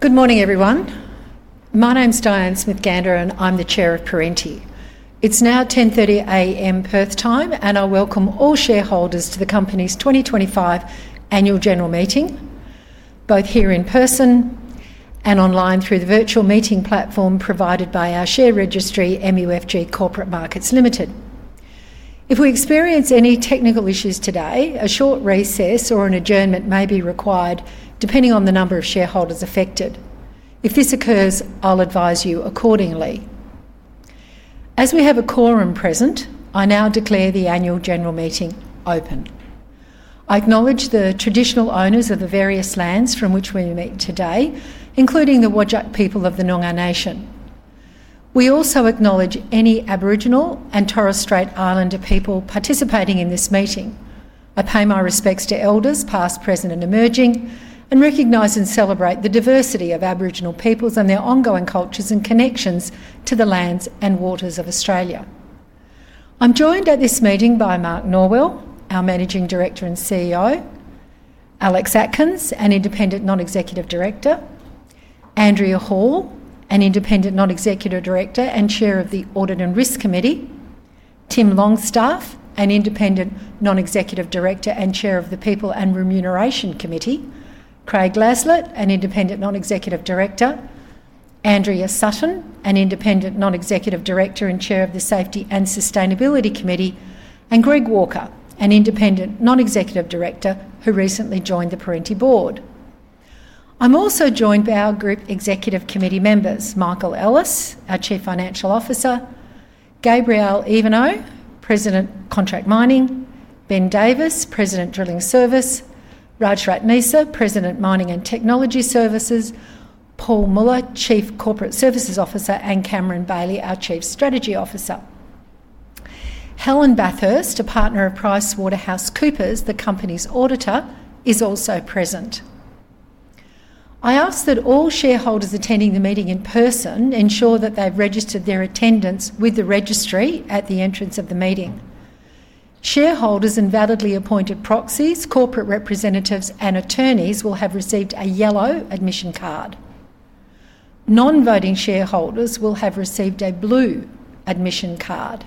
Good morning everyone. My name's Diane Smith-Gander and I'm the Chair of Perenti. It's now 10:30 A.M. Perth time and I welcome all shareholders to the company's 2025 Annual General Meeting, both here in person and online through the Virtual Meeting platform provided by our share registry, MUFG Corporate Markets Ltd. If we experience any technical issues today, a short recess or an adjournment may be required depending on the number of shareholders affected. If this occurs, I'll advise you accordingly as we have a quorum present. I now declare the Annual General Meeting open. I acknowledge the traditional owners of the various lands from which we meet today, including the Whadjuk people of the Noongar Nation. We also acknowledge any Aboriginal and Torres Strait Islander people participating in this meeting. I pay my respects to elders past, present and emerging and recognize and celebrate the diversity of Aboriginal peoples and their ongoing cultures and connections to the lands and waters of Australia. I'm joined at this meeting by Mark Norwell, our Managing Director and CEO, Alex Atkins, an Independent Non-Executive Director, Andrea Hall, an Independent Non-Executive Director and Chair of the Audit and Risk Committee, Tim Longstaff, an Independent Non-Executive Director and Chair of the People and Remuneration Committee, Craig Laslett, an Independent Non-Executive Director, Andrea Sutton, an Independent Non-Executive Director and Chair of the Safety and Sustainability Committee, and Greg Walker, an Independent Non-Executive Director who recently joined the Perenti Board. I'm also joined by our Group Executive Committee members: Michael Ellis, our Chief Financial Officer; Gabrielle Evenot, President, Contract Mining; Ben Davis, President, Drilling Services; Raj Ratneesa, President, Mining and Technology Services; Paul Muller, Chief Corporate Services Officer; and Cameron Bailey, our Chief Strategy Officer. Helen Bathurst, a partner of PricewaterhouseCoopers, the company's auditor, is also present. I ask that all shareholders attending the meeting in person ensure that they've registered their attendance with the registry at the entrance of the meeting. Shareholders and validly appointed proxies, corporate representatives and attorneys will have received a yellow admission card. Non-voting shareholders will have received a blue admission card.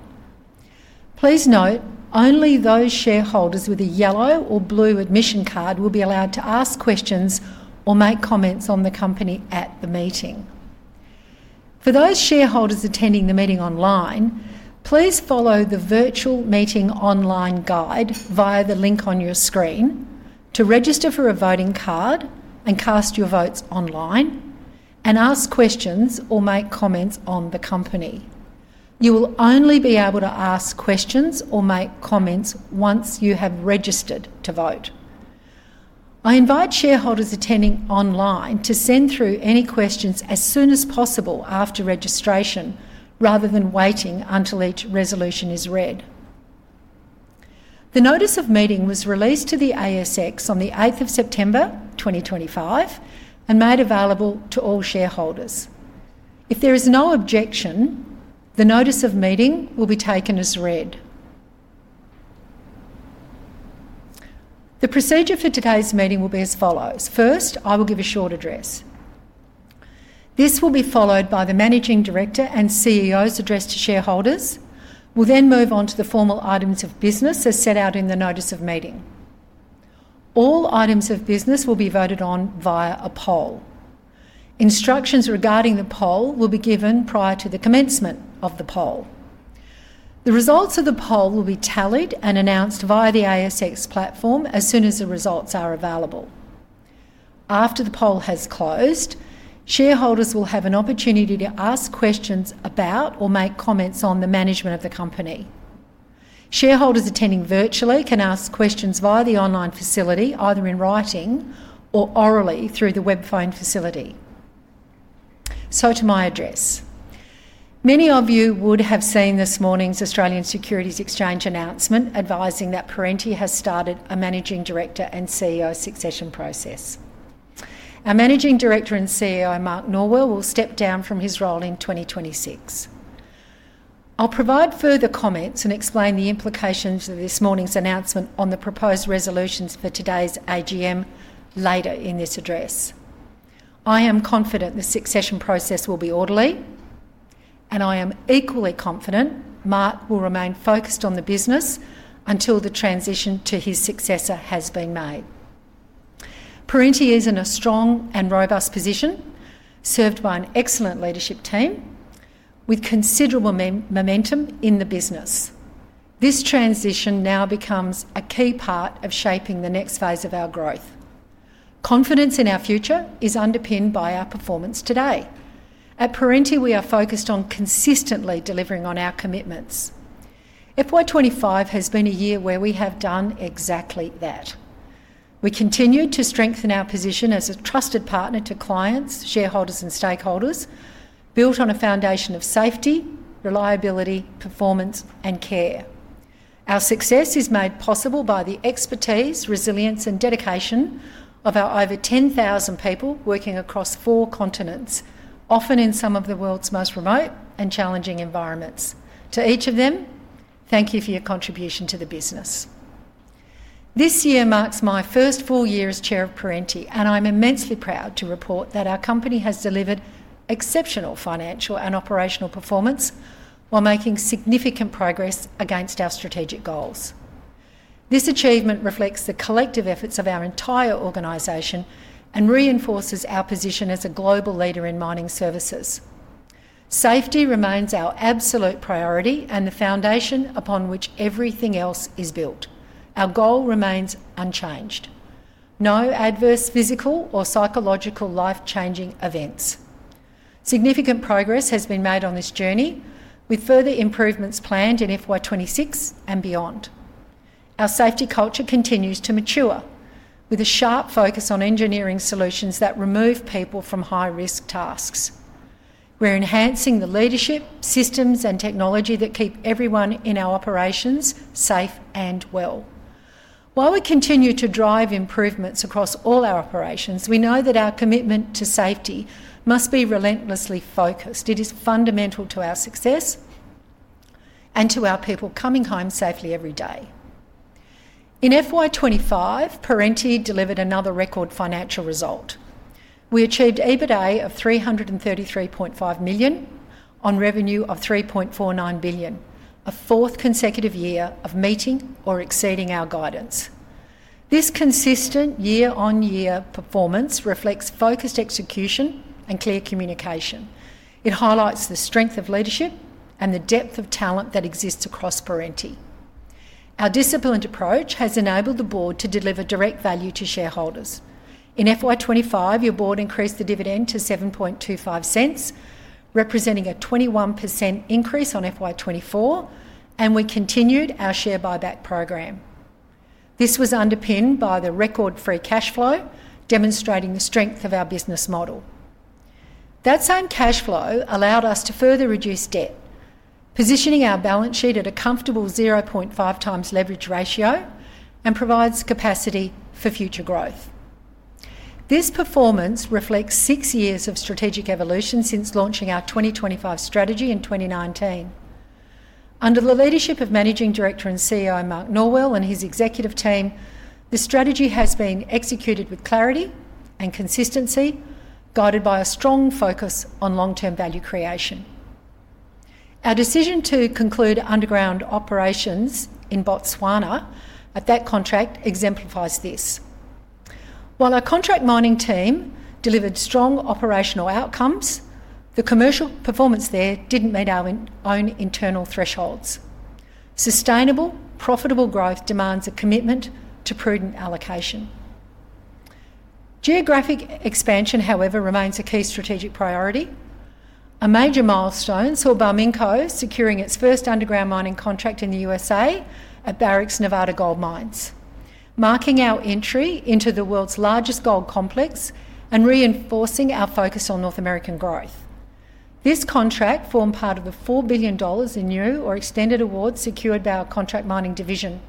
Please note only those shareholders with a yellow or blue admission card will be allowed to ask questions or make comments on the company at the meeting. For those shareholders attending the meeting online, please follow the Virtual Meeting online guide via the link on your screen to register for a voting card and cast your votes online and ask questions or make comments on the company. You will only be able to ask questions or make comments once you have registered to vote. I invite shareholders attending online to send through any questions as soon as possible after registration, rather than waiting until each resolution is read. The Notice of Meeting was released to the ASX on September 8, 2025 and made available to all shareholders. If there is no objection, the Notice of Meeting will be taken as read. The procedure for today's meeting will be as follows. First, I will give a short address. This will be followed by the Managing Director and CEO's address to shareholders. We'll then move on to the formal items of business as set out in the Notice of Meeting. All items of business will be voted on via a poll. Instructions regarding the poll will be given prior to the commencement of the poll. The results of the poll will be tallied and announced via the ASX platform as soon as the results are available. After the poll has closed, shareholders will have an opportunity to ask questions about or make comments on the management of the company. Shareholders attending virtually can ask questions via the online facility, either in writing or orally through the web phone facility. To my address, many of you would have seen this morning's Australian Securities Exchange announcement advising that Perenti has started a Managing Director and CEO succession process. Our Managing Director and CEO Mark Norwell will step down from his role in 2026. I'll provide further comments and explain the implications of this morning's announcement on the proposed resolutions for today's AGM later in this address. I am confident the succession process will be orderly and I am equally confident Mark will remain focused on the business until the transition to his successor has been made. Perenti is in a strong and robust position, served by an excellent leadership team with considerable momentum in the business. This transition now becomes a key part of shaping the next phase of our growth. Confidence in our future is underpinned by our performance today. At Perenti, we are focused on consistently delivering on our commitments. FY 2025 has been a year where we have done exactly that. We continue to strengthen our position as a trusted partner to clients, shareholders, and stakeholders built on a foundation of safety, reliability, performance, and care. Our success is made possible by the expertise, resilience, and dedication of our over 10,000 people working across four continents, often in some of the world's most remote and challenging environments. To each of them, thank you for your contribution to the business. This year marks my first full year as Chair of Perenti and I'm immensely proud to report that our company has delivered exceptional financial and operational performance while making significant progress against our strategic goals. This achievement reflects the collective efforts of our entire organization and reinforces our position as a global leader in mining services. Safety remains our absolute priority and the foundation upon which everything else is built. Our goal remains unchanged, no adverse physical or psychological life changing events. Significant progress has been made on this journey with further improvements planned in FY 2026 and beyond. Our safety culture continues to mature with a sharp focus on engineering solutions that remove people from high risk tasks. We're enhancing the leadership systems and technology that keep everyone in our operations safe and well. While we continue to drive improvements across all our operations, we know that our commitment to safety must be relentlessly focused. It is fundamental to our success and to our people coming home safely every day. In FY 2025, Perenti delivered another record financial result. We achieved EBITDA of 333.5 million on revenue of 3.49 billion, a fourth consecutive year of meeting or exceeding our guidance. This consistent year-on-year performance reflects focused execution and clear communication. It highlights the strength of leadership and the depth of talent that exists across Perenti. Our disciplined approach has enabled the Board to deliver direct value to shareholders. In FY 2025, your Board increased the dividend to 0.0725, representing a 21% increase on FY 2024, and we continued our share buyback program. This was underpinned by the record free cash flow, demonstrating the strength of our business model. That same cash flow allowed us to further reduce debt, positioning our balance sheet at a comfortable 0.5 times leverage ratio and provides capacity for future growth. This performance reflects six years of strategic evolution. Since launching our 2025 strategy in 2019 under the leadership of Managing Director and CEO Mark Norwell and his executive team, the strategy has been executed with clarity and consistency, guided by a strong focus on long term value creation. Our decision to conclude underground operations in Botswana at that contract exemplifies this. While our contract mining team delivered strong operational outcomes, the commercial performance there didn't meet our own internal thresholds. Sustainable, profitable growth demands a commitment to prudent allocation. Geographic expansion, however, remains a key strategic priority. A major milestone saw Barminco securing its first underground mining contract in the United States at Barrick Gold's Nevada Gold Mines, marking our entry into the world's largest gold complex and reinforcing our focus on North American growth. This contract formed part of the 4 billion dollars in new or extended awards secured by our contract mining division,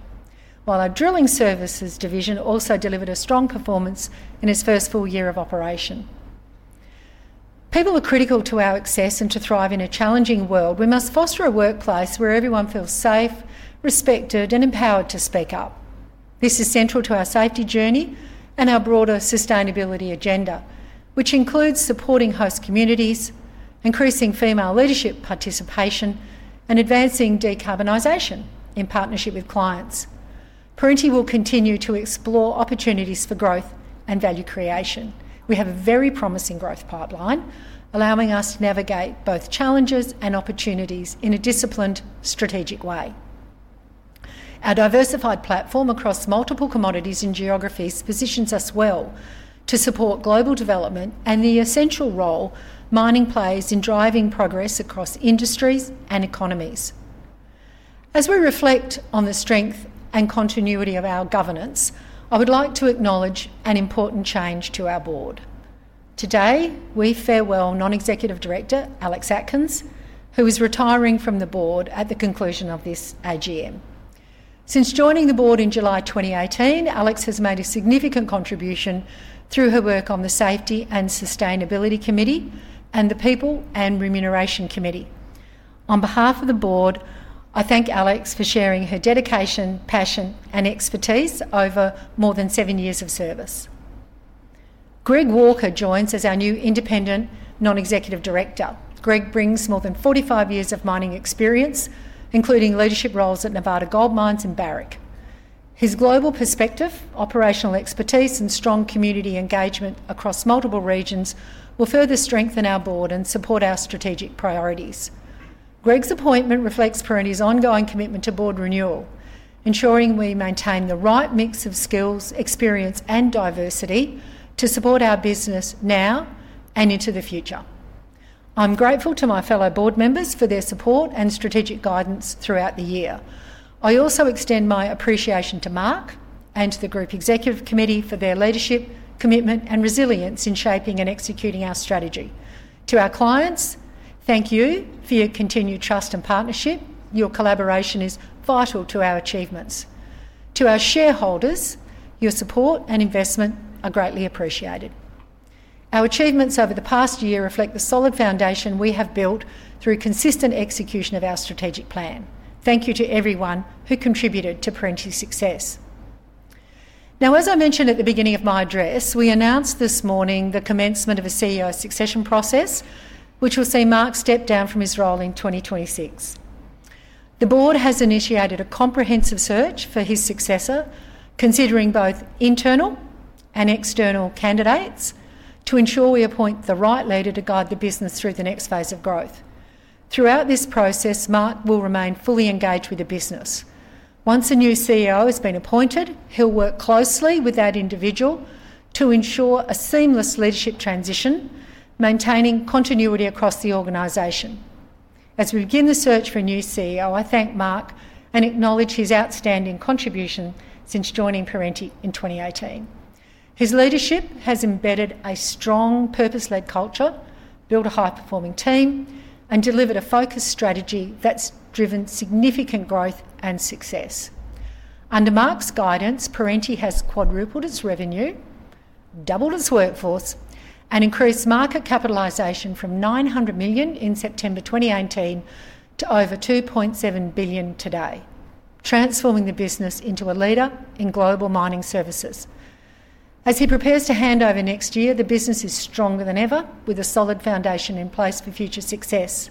while our Drilling Services division also delivered a strong performance in its first full year of operation. People are critical to our success and to thrive in a challenging world we must foster a workplace where everyone feels safe, respected, and empowered to speak up. This is central to our safety journey and our broader sustainability agenda, which includes supporting host communities, increasing female leadership participation, and advancing decarbonization. In partnership with clients, Perenti will continue to explore opportunities for growth and value creation. We have a very promising growth pipeline allowing us to navigate both challenges and opportunities in a disciplined, strategic way. Our diversified platform across multiple commodities and geographies positions us well to support global development and the essential role mining plays in driving progress across industries and economies. As we reflect on the strength and continuity of our governance, I would like to acknowledge an important change to our Board. Today we farewell Non-Executive Director Alex Atkins who is retiring from the Board at the conclusion of this AGM. Since joining the Board in July 2018, Alex has made a significant contribution through her work on the Safety and Sustainability Committee and the People and Remuneration Committee. On behalf of the Board, I thank Alex for sharing her dedication, passion, and expertise over more than seven years of service. Greg Walker joins as our new Independent Non-Executive Director. Greg brings more than 45 years of mining experience, including leadership roles at Nevada Gold Mines and Barrick Gold. His global perspective, operational expertise, and strong community engagement across multiple regions will further strengthen our Board and support our strategic priorities. Greg's appointment reflects Perenti's ongoing commitment to Board renewal, ensuring we maintain the right mix of skills, experience, and diversity to support our business now and into the future. I'm grateful to my fellow Board members for their support and strategic guidance throughout the year. I also extend my appreciation to Mark and the Group Executive Committee for their leadership, commitment, and resilience in shaping and executing our strategy to our clients. Thank you for your continued trust and partnership. Your collaboration is vital to our achievements. To our shareholders, your support and investment are greatly appreciated. Our achievements over the past year reflect the solid foundation we have built through consistent execution of our strategic plan. Thank you to everyone who contributed to Perenti's success. Now, as I mentioned at the beginning of my address, we announced this morning the commencement of a CEO succession process which will see Mark step down from his role in 2026. The Board has initiated a comprehensive search for his successor, considering both internal and external candidates to ensure we appoint the right leader to guide the business through the next phase of growth. Throughout this process, Mark will remain fully engaged with the business. Once a new CEO has been appointed, he'll work closely with that individual to ensure a seamless leadership transition, maintaining continuity across the organization. As we begin the search for a new CEO, I thank Mark and acknowledge his outstanding contribution. Since joining Perenti in 2018, his leadership has embedded a strong purpose, led culture, built a high-performing team, and delivered a focused strategy that's driven significant growth and success. Under Mark's guidance, Perenti has quadrupled its revenue, doubled its workforce, and increased market capitalization from 900 million in September 2018 to over 2.7 billion today, transforming the business into a leader in global mining services. As he prepares to hand over next year, the business is stronger than ever with a solid foundation in place for future success.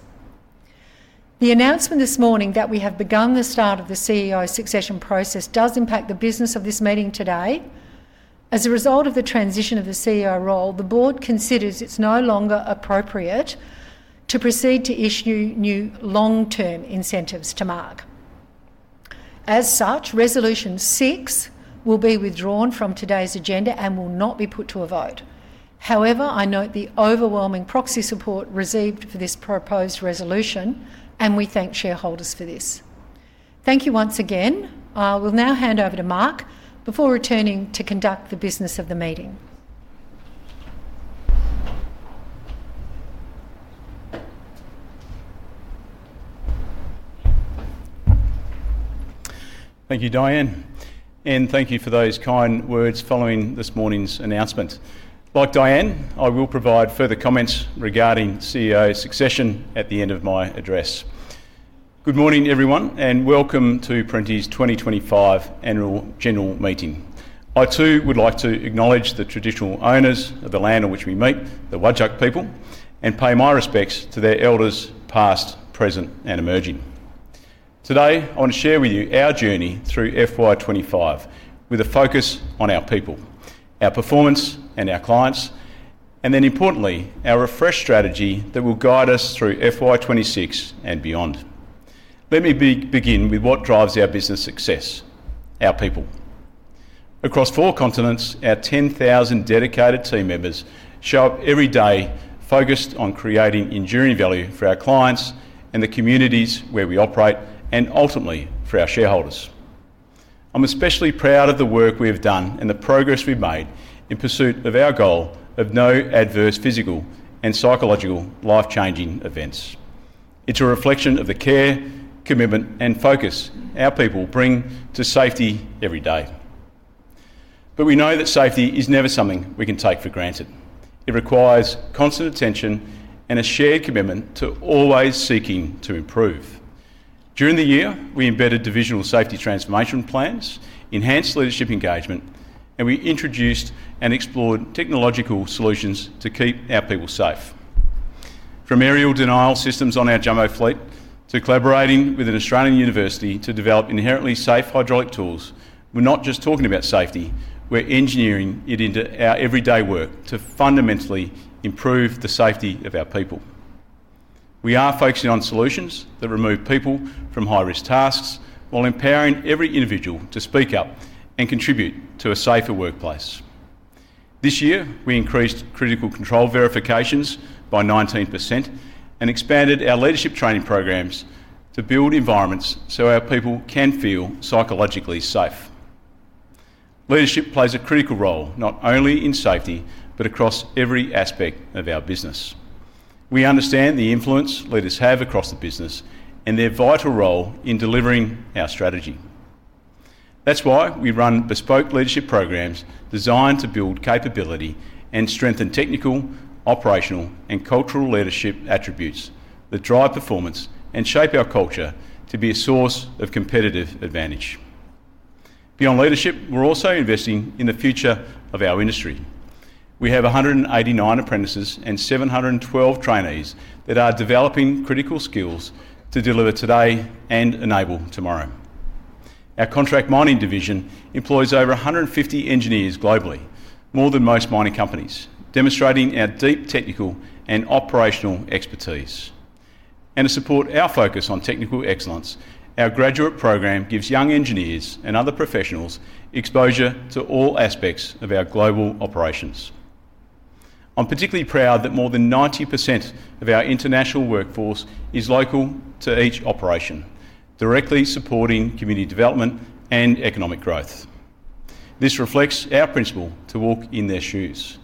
The announcement this morning that we have begun the start of the CEO succession process does impact the business of this meeting today. As a result of the transition of the CEO role, the Board considers it's no longer appropriate to proceed to issue new long term incentives to Mark. As such, Resolution 6 will be withdrawn from today's agenda and will not be put to a vote. However, I note the overwhelming proxy support received for this proposed resolution and we thank shareholders for this. Thank you once again. I will now hand over to Mark before returning to conduct the business of the meeting. Thank you, Diane, and thank you for those kind words following this morning's announcement. Like Diane, I will provide further comments regarding CEO succession at the end of my address. Good morning, everyone, and welcome to Perenti's 2025 Annual General Meeting. I too would like to acknowledge the traditional owners of the land on which we meet, the Whadjuk people, and pay my respects to their elders, past, present, and emerging. Today, I want to share with you our journey through FY 2025 with a focus on our people, our performance, and our clients, and then, importantly, our refresh strategy that will guide us through FY 2026 and beyond. Let me begin with what drives our business success: our people. Across four continents, our 10,000 dedicated team members show up every day focused on creating enduring value for our clients and the communities where we operate, and ultimately for our shareholders. I'm especially proud of the work we have done and the progress we've made in pursuit of our goal of no adverse physical and psychological life-changing events. It's a reflection of the care, commitment, and focus our people bring to safety every day. We know that safety is never something we can take for granted. It requires constant attention and a shared commitment to always seeking to improve. During the year, we embedded divisional safety transformation plans, enhanced leadership engagement, and we introduced and explored technological solutions to keep our people safe. From aerial denial systems on our jumbo fleet to collaborating with an Australian university to develop inherently safe hydraulic tools, we're not just talking about safety, we're engineering it into our everyday work to fundamentally improve the safety of our people. We are focusing on solutions that remove people from high-risk tasks while empowering every individual to speak up and contribute to a safer workplace. This year, we increased critical control verifications by 19% and expanded our leadership training programs to build environments so our people can feel psychologically safe. Leadership plays a critical role not only in safety, but across every aspect of our business. We understand the influence leaders have across the business and their vital role in delivering our strategy. That's why we run bespoke leadership programs designed to build capability and strengthen technical, operational, and cultural leadership attributes that drive performance and shape our culture to be a source of competitive advantage. Beyond leadership, we're also investing in the future of our industry. We have 189 apprentices and 712 trainees that are developing critical skills to deliver today and enable tomorrow. Our contract mining division employs over 150 engineers globally, more than most mining companies, demonstrating our deep technical and operational expertise and to support our focus on technical excellence. Our graduate program gives young engineers and other professionals exposure to all aspects of our global operations. I'm particularly proud that more than 90% of our international workforce is local to each operation, directly supporting community development and economic growth. This reflects our principle to walk in their shoes,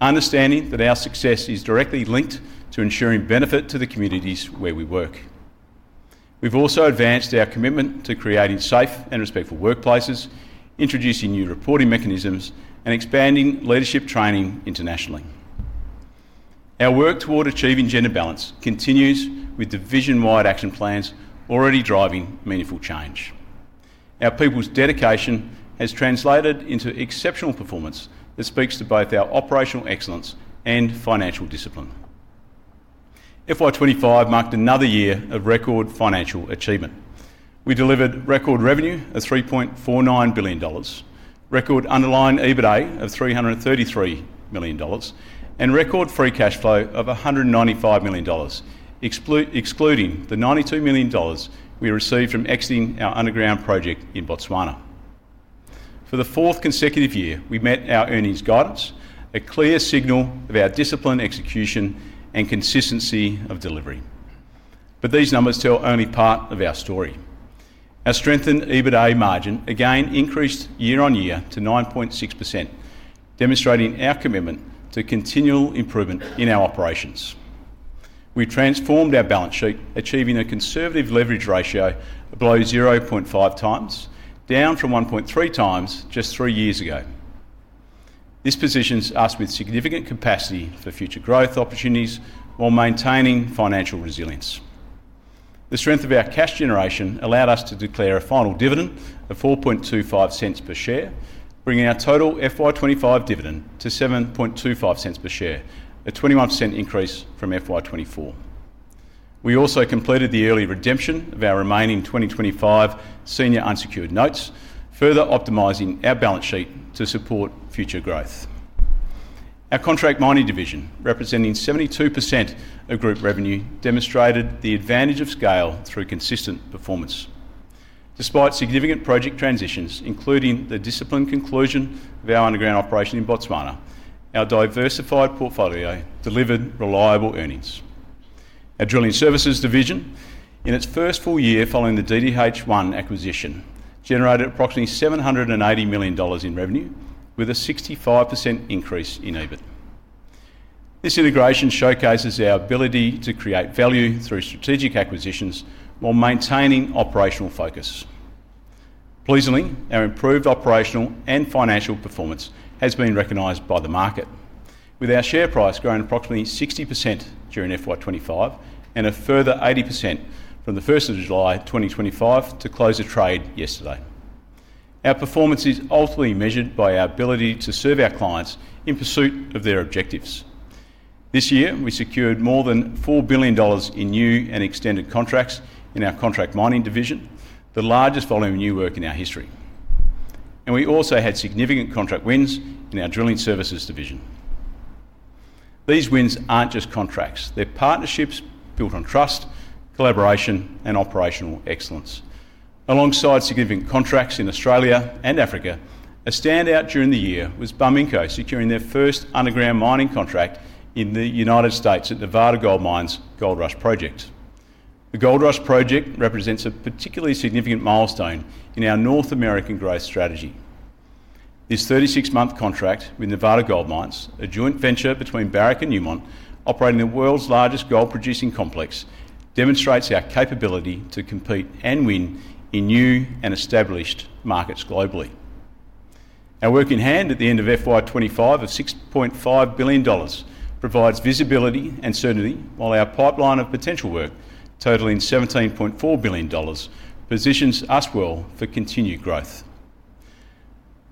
understanding that our success is directly linked to ensuring benefit to the communities where we work. We've also advanced our commitment to creating safe and respectful workplaces, introducing new reporting mechanisms and expanding leadership training internationally. Our work toward achieving gender balance continues, with division-wide action plans already driving meaningful change. Our people's dedication has translated into exceptional performance that speaks to both our operational excellence and financial discipline. FY 2025 marked another year of record financial achievement. We delivered record revenue of 3.49 billion dollars, record underlying EBITDA of 333 million dollars, and record free cash flow of 195 million dollars, excluding the 92 million dollars we received from exiting our underground project in Botswana. For the fourth consecutive year, we met our earnings guidance, a clear signal of our discipline, execution, and consistency of delivery. These numbers tell only part of our story. Our strengthened EBITDA margin again increased year on year to 9.6%, demonstrating our commitment to continual improvement in our operations. We transformed our balance sheet, achieving a conservative leverage ratio below 0.5 times, down from 1.3 times just three years ago. This positions us with significant capacity for future growth opportunities while maintaining financial resilience. The strength of our cash generation allowed us to declare a final dividend of 0.0425 per share, bringing our total FY 2025 dividend to 0.0725 per share, a 21% increase from FY 2024. We also completed the early redemption of our remaining 2025 senior unsecured notes, further optimizing our balance sheet to support future growth. Our contract mining division, representing 72% of group revenue, demonstrated the advantage of scale through consistent performance. Despite significant project transitions, including the disciplined conclusion of our underground operation in Botswana, our diversified portfolio delivered reliable earnings. Our Drilling Services division, in its first full year following the DDH1 Limited acquisition, generated approximately 780 million dollars in revenue with a 65% increase in EBIT. This integration showcases our ability to create value through strategic acquisitions while maintaining operational focus. Pleasingly, our improved operational and financial performance has been recognized by the market, with our share price growing approximately 60% during FY 2025 and a further 80% from July 1, 2025, to close of trade yesterday. Our performance is ultimately measured by our ability to serve our clients in pursuit of their objectives. This year we secured more than 4 billion dollars in new and extended contracts in our contract mining division, the largest volume of new work in our history, and we also had significant contract wins in our Drilling Services division. These wins aren't just contracts, they're partnerships built on trust, collaboration, and operational excellence. Alongside significant contracts in Australia and Africa, a standout during the year was Barminco securing their first underground mining contract in the United States at Nevada Gold Mines. The Goldrush Project represents a particularly significant milestone in our North American growth strategy. This 36-month contract with Nevada Gold Mines, a joint venture between Barrick Gold and Newmont, operating the world's largest gold producing complex, demonstrates our capability to compete and win in new and established markets globally. Our work in hand at the end of FY 2025 of 6.5 billion dollars provides visibility and certainty, while our pipeline of potential work totaling 17.4 billion dollars positions us well for continued growth.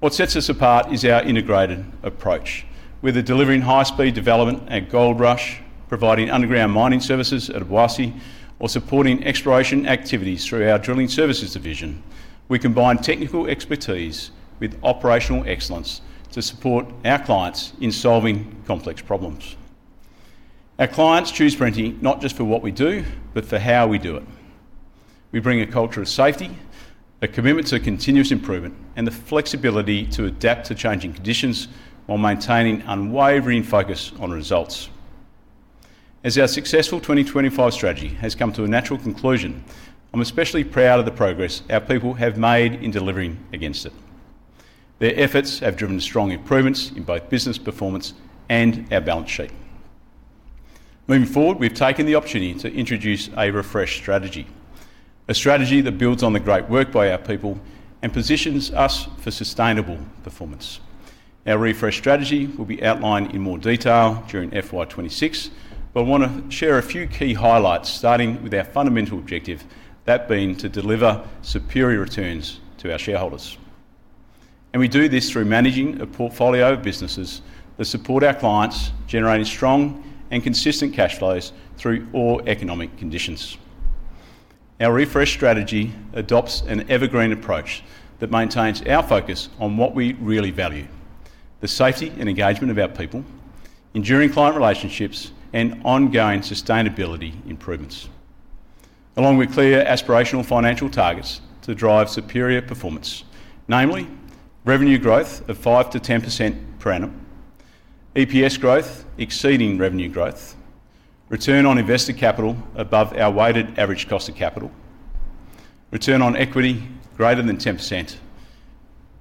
What sets us apart is our integrated approach. Whether delivering high speed development at Goldrush, providing underground mining services at Obuasi or supporting exploration activities through our Drilling Services division, we combine technical expertise with operational excellence to support our clients in solving complex problems. Our clients choose Perenti not just for what we do, but for how we do it. We bring a culture of safety, a commitment to continuous improvement, and the flexibility to adapt to changing conditions while maintaining unwavering focus on results. As our successful 2025 strategy has come to a natural conclusion, I'm especially proud of the progress our people have made in delivering against it. Their efforts have driven strong improvements in both business performance and our balance sheet. Moving forward, we've taken the opportunity to introduce a refresh strategy, a strategy that builds on the great work by our people and positions us for sustainable performance. Our refresh strategy will be outlined in more detail during FY 2026, but I want to share a few key highlights, starting with our fundamental objective, that being to deliver superior returns to our shareholders. We do this through managing a portfolio of businesses that support our clients, generating strong and consistent cash flows through all economic conditions. Our refresh strategy adopts an evergreen approach that maintains our focus on what we really value: the safety and engagement of our people, enduring client relationships, and ongoing sustainability improvements, along with clear aspirational financial targets to drive superior performance, namely revenue growth of 5%-10% per annum, EPS growth exceeding revenue growth, return on invested capital above our weighted average cost of capital, return on equity greater than 10%,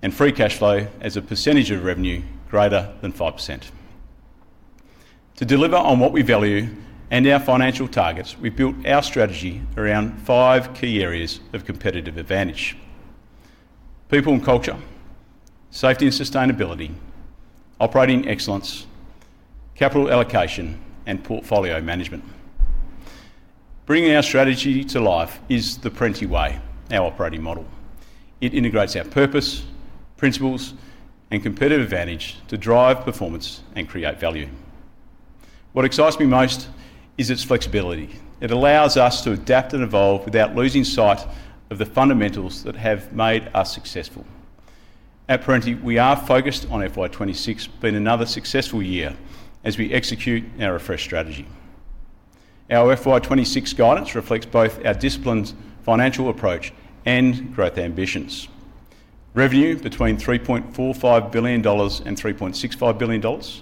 and free cash flow as a percentage of revenue greater than 5%. To deliver on what we value and our financial targets, we built our strategy around five key areas of competitive advantage: people and culture, safety and sustainability, operating excellence, capital allocation, and portfolio management. Bringing our strategy to life is the Perenti way, our operating model. It integrates our purpose, principles, and competitive advantage to drive performance and create value. What excites me most is its flexibility. It allows us to adapt and evolve without losing sight of the fundamentals that have made us successful. At Perenti, we are focused on FY 2026. Been another successful year as we execute our refresh strategy. Our FY 2026 guidance reflects both our disciplined financial approach and growth ambitions. Revenue between 3.45 billion dollars and 3.65 billion dollars,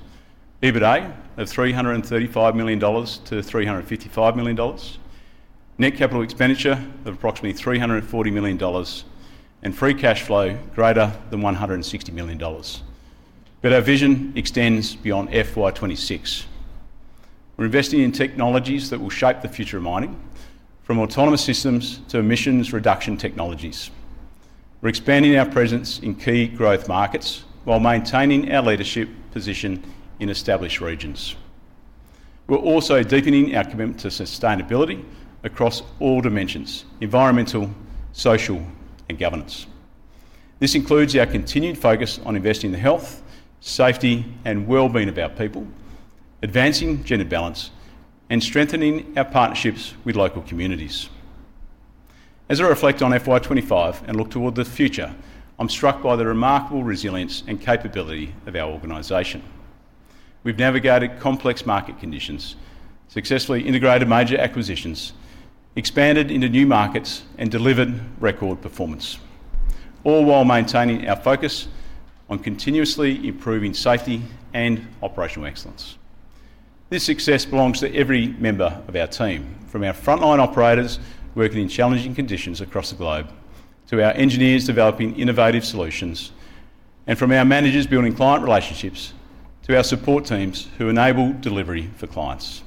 EBITDA of 335 million-355 million dollars, net capital expenditure of approximately 340 million dollars, and free cash flow greater than 160 million dollars. Our vision extends beyond FY 2026. We're investing in technologies that will shape the future of mining, from autonomous systems to emissions reduction technologies. We're expanding our presence in key growth markets while maintaining our leadership position in established regions. We're also deepening our commitment to sustainability across all dimensions: environmental, social, and governance. This includes our continued focus on investing in the health, safety, and well-being of our people, advancing gender balance, and strengthening our partnerships with local communities. As I reflect on FY 2025 and look toward the future, I'm struck by the remarkable resilience and capability of our organization. We've navigated complex market conditions successfully, integrated major acquisitions, expanded into new markets, and delivered record performance, all while maintaining our focus on continuously improving safety and operational excellence. This success belongs to every member of our team, from our frontline operators working in challenging conditions across the globe, to our engineers developing innovative solutions, to our managers building client relationships, to our support teams who enable delivery for clients.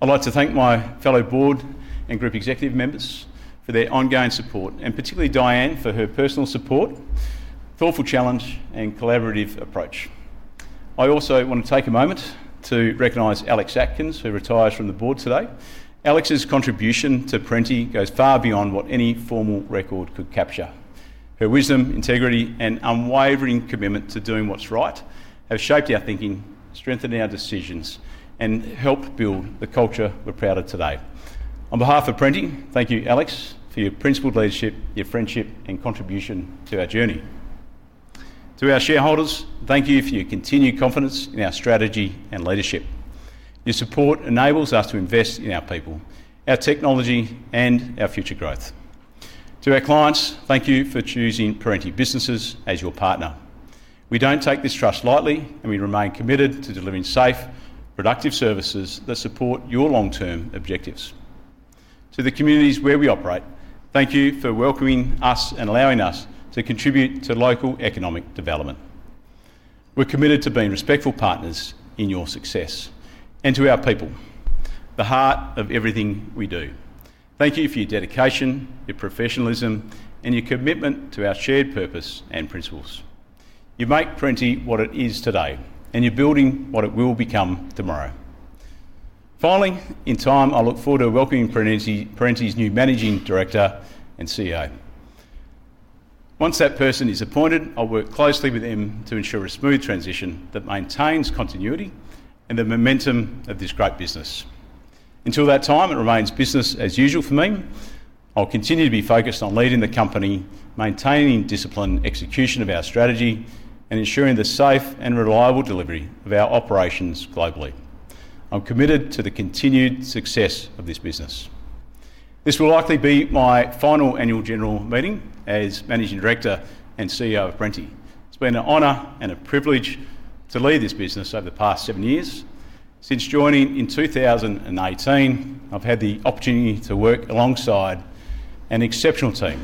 I'd like to thank my fellow Board and Group Executive members for their ongoing support, and particularly Diane for her personal support, thoughtful challenge, and collaborative approach. I also want to take a moment to recognize Alex Atkins, who retires from the Board today. Alex's contribution to Perenti goes far beyond what any formal record could capture. Her wisdom, integrity, and unwavering commitment to doing what's right have shaped our thinking, strengthened our decisions, and helped build the culture we're proud of today. On behalf of Perenti, thank you, Alex, for your principled leadership, your friendship, and contribution to our journey. To our shareholders, thank you for your continued confidence in our strategy and leadership. Your support enables us to invest in our people, our technology, and our future growth. To our clients, thank you for choosing Perenti businesses as your partner. We don't take this trust lightly, and we remain committed to delivering safe, productive services that support your long-term objectives to the communities where we operate. Thank you for welcoming us and allowing us to contribute to local economic development. We're committed to being respectful partners in your success and to our people, the heart of everything we do. Thank you for your dedication, your professionalism, and your commitment to our shared purpose and principles. You make Perenti what it is today, and you're building what it will become tomorrow. Finally, in time, I look forward to welcoming Perenti's new Managing Director and CEO. Once that person is appointed, I'll work closely with them to ensure a smooth transition that maintains continuity and the momentum of this great business. Until that time, it remains business as usual for me. I'll continue to be focused on leading the company, maintaining disciplined execution of our strategy, and ensuring the safe and reliable delivery of our operations globally. I'm committed to the continued success of this business. This will likely be my final Annual General Meeting as Managing Director and CEO of Perenti. It's been an honor and a privilege to lead this business over the past seven years. Since joining in 2018, I've had the opportunity to work alongside an exceptional team,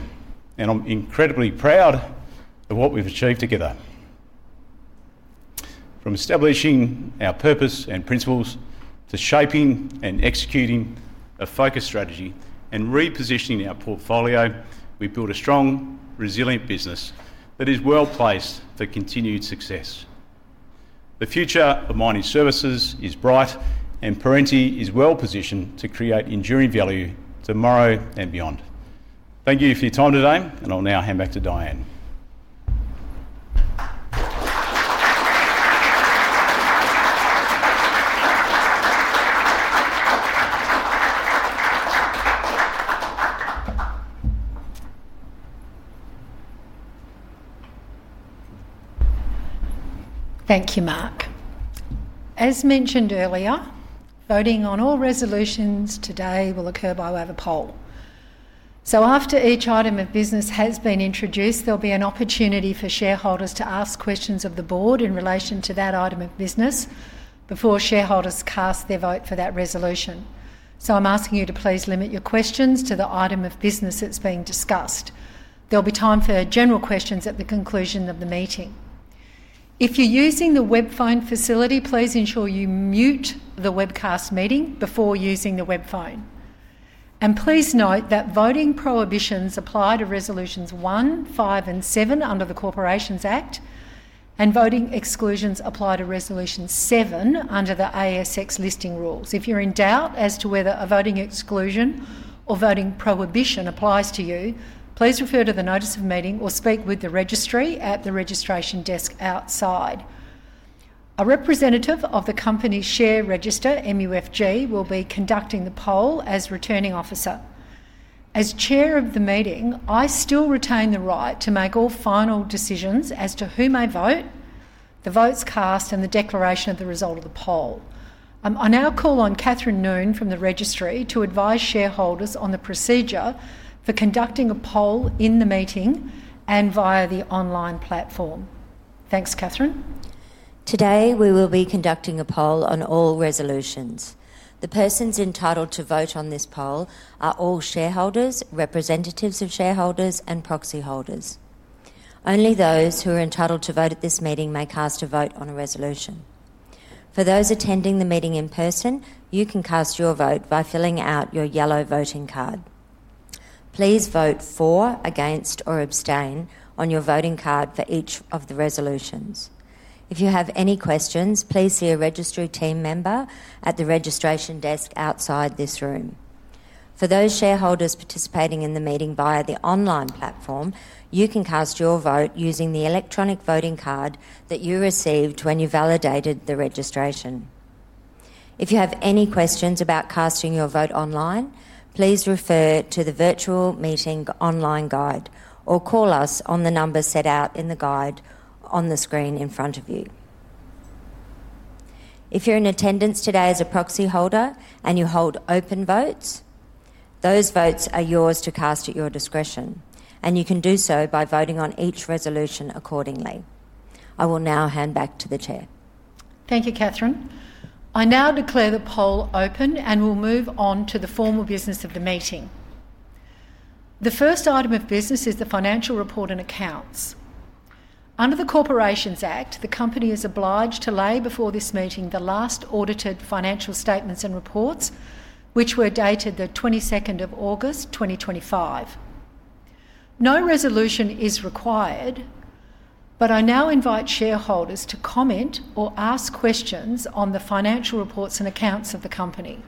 and I'm incredibly proud of what we've achieved together. From establishing our purpose and principles to shaping and executing a focused strategy and repositioning our portfolio, we built a strong, resilient business that is well placed for continued success. The future of mining services is bright, and Perenti is well positioned to create enduring value tomorrow and beyond. Thank you for your time today, and I'll now hand back to Diane. Thank you, Mark. As mentioned earlier, voting on all resolutions today will occur by overall poll. After each item of business has been introduced, there'll be an opportunity for shareholders to ask questions of the Board in relation to that item of business before shareholders cast their vote for that resolution. I'm asking you to please limit your questions to the item of business that's being discussed. There'll be time for general questions at the conclusion of the meeting. If you're using the web phone facility, please ensure you mute the webcast meeting before using the web phone. Please note that voting prohibitions apply to Resolutions 1, 5, and 7 under the Corporations Act, and voting exclusions apply to Resolution 7 under the ASX Listing Rules. If you're in doubt as to whether a voting exclusion or voting prohibition applies to you, please refer to the Notice of Meeting or speak with the Registry at the registration desk outside. A representative of the company's share register will be conducting the poll. As Returning Officer and as Chair of the meeting, I still retain the right to make all final decisions as to who may vote, the votes cast, and the declaration of the result of the poll. I now call on Catherine Noone from the Registry to advise shareholders on the procedure for conducting a poll in the meeting and via the online platform. Thanks, Catherine. Today we will be conducting a poll on all resolutions. The persons entitled to vote on this poll are all shareholders, representatives of shareholders, and proxy holders. Only those who are entitled to vote at this meeting may cast a vote on a resolution. For those attending the meeting in person, you can cast your vote by filling out your yellow voting card. Please vote for, against, or abstain on your voting card for each of the resolutions. If you have any questions, please see a Registry team member at the registration desk outside this room. For those shareholders participating in the meeting via the online platform, you can cast your vote using the electronic voting card that you received when you validated the registration. If you have any questions about casting your vote online, please refer to the Virtual Meeting online guide or call us on the number set out in the guide on the screen in front of you. If you're in attendance today as a proxy holder and you hold open votes, those votes are yours to cast at your discretion and you can do so by voting on each resolution accordingly. I will now hand back to the Chair. Thank you, Catherine. I now declare the poll open, and we'll move on to the formal business of the meeting. The first item of business is the financial report and accounts. Under the Corporations Act, the company is obliged to lay before this meeting the last audited financial statements and reports, which were dated 22.8.2025. No resolution is required, but I now invite shareholders to comment or ask questions on the financial reports and accounts of the company.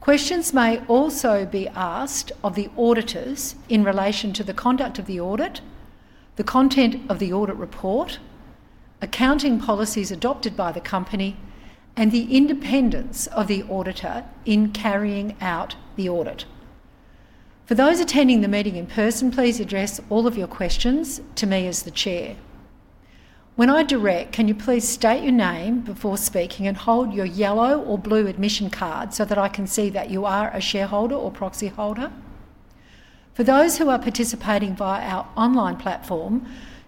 Questions may also be asked of the auditors in relation to the conduct of the audit, the content of the audit report, accounting policies adopted by the company, and the independence of the auditor in carrying out the audit. For those attending the meeting in person, please address all of your questions to me as the Chair when I direct. Can you please state your name before speaking and hold your yellow or blue admission card so that I can see that you are a shareholder or proxy holder? For those who are participating via our online platform,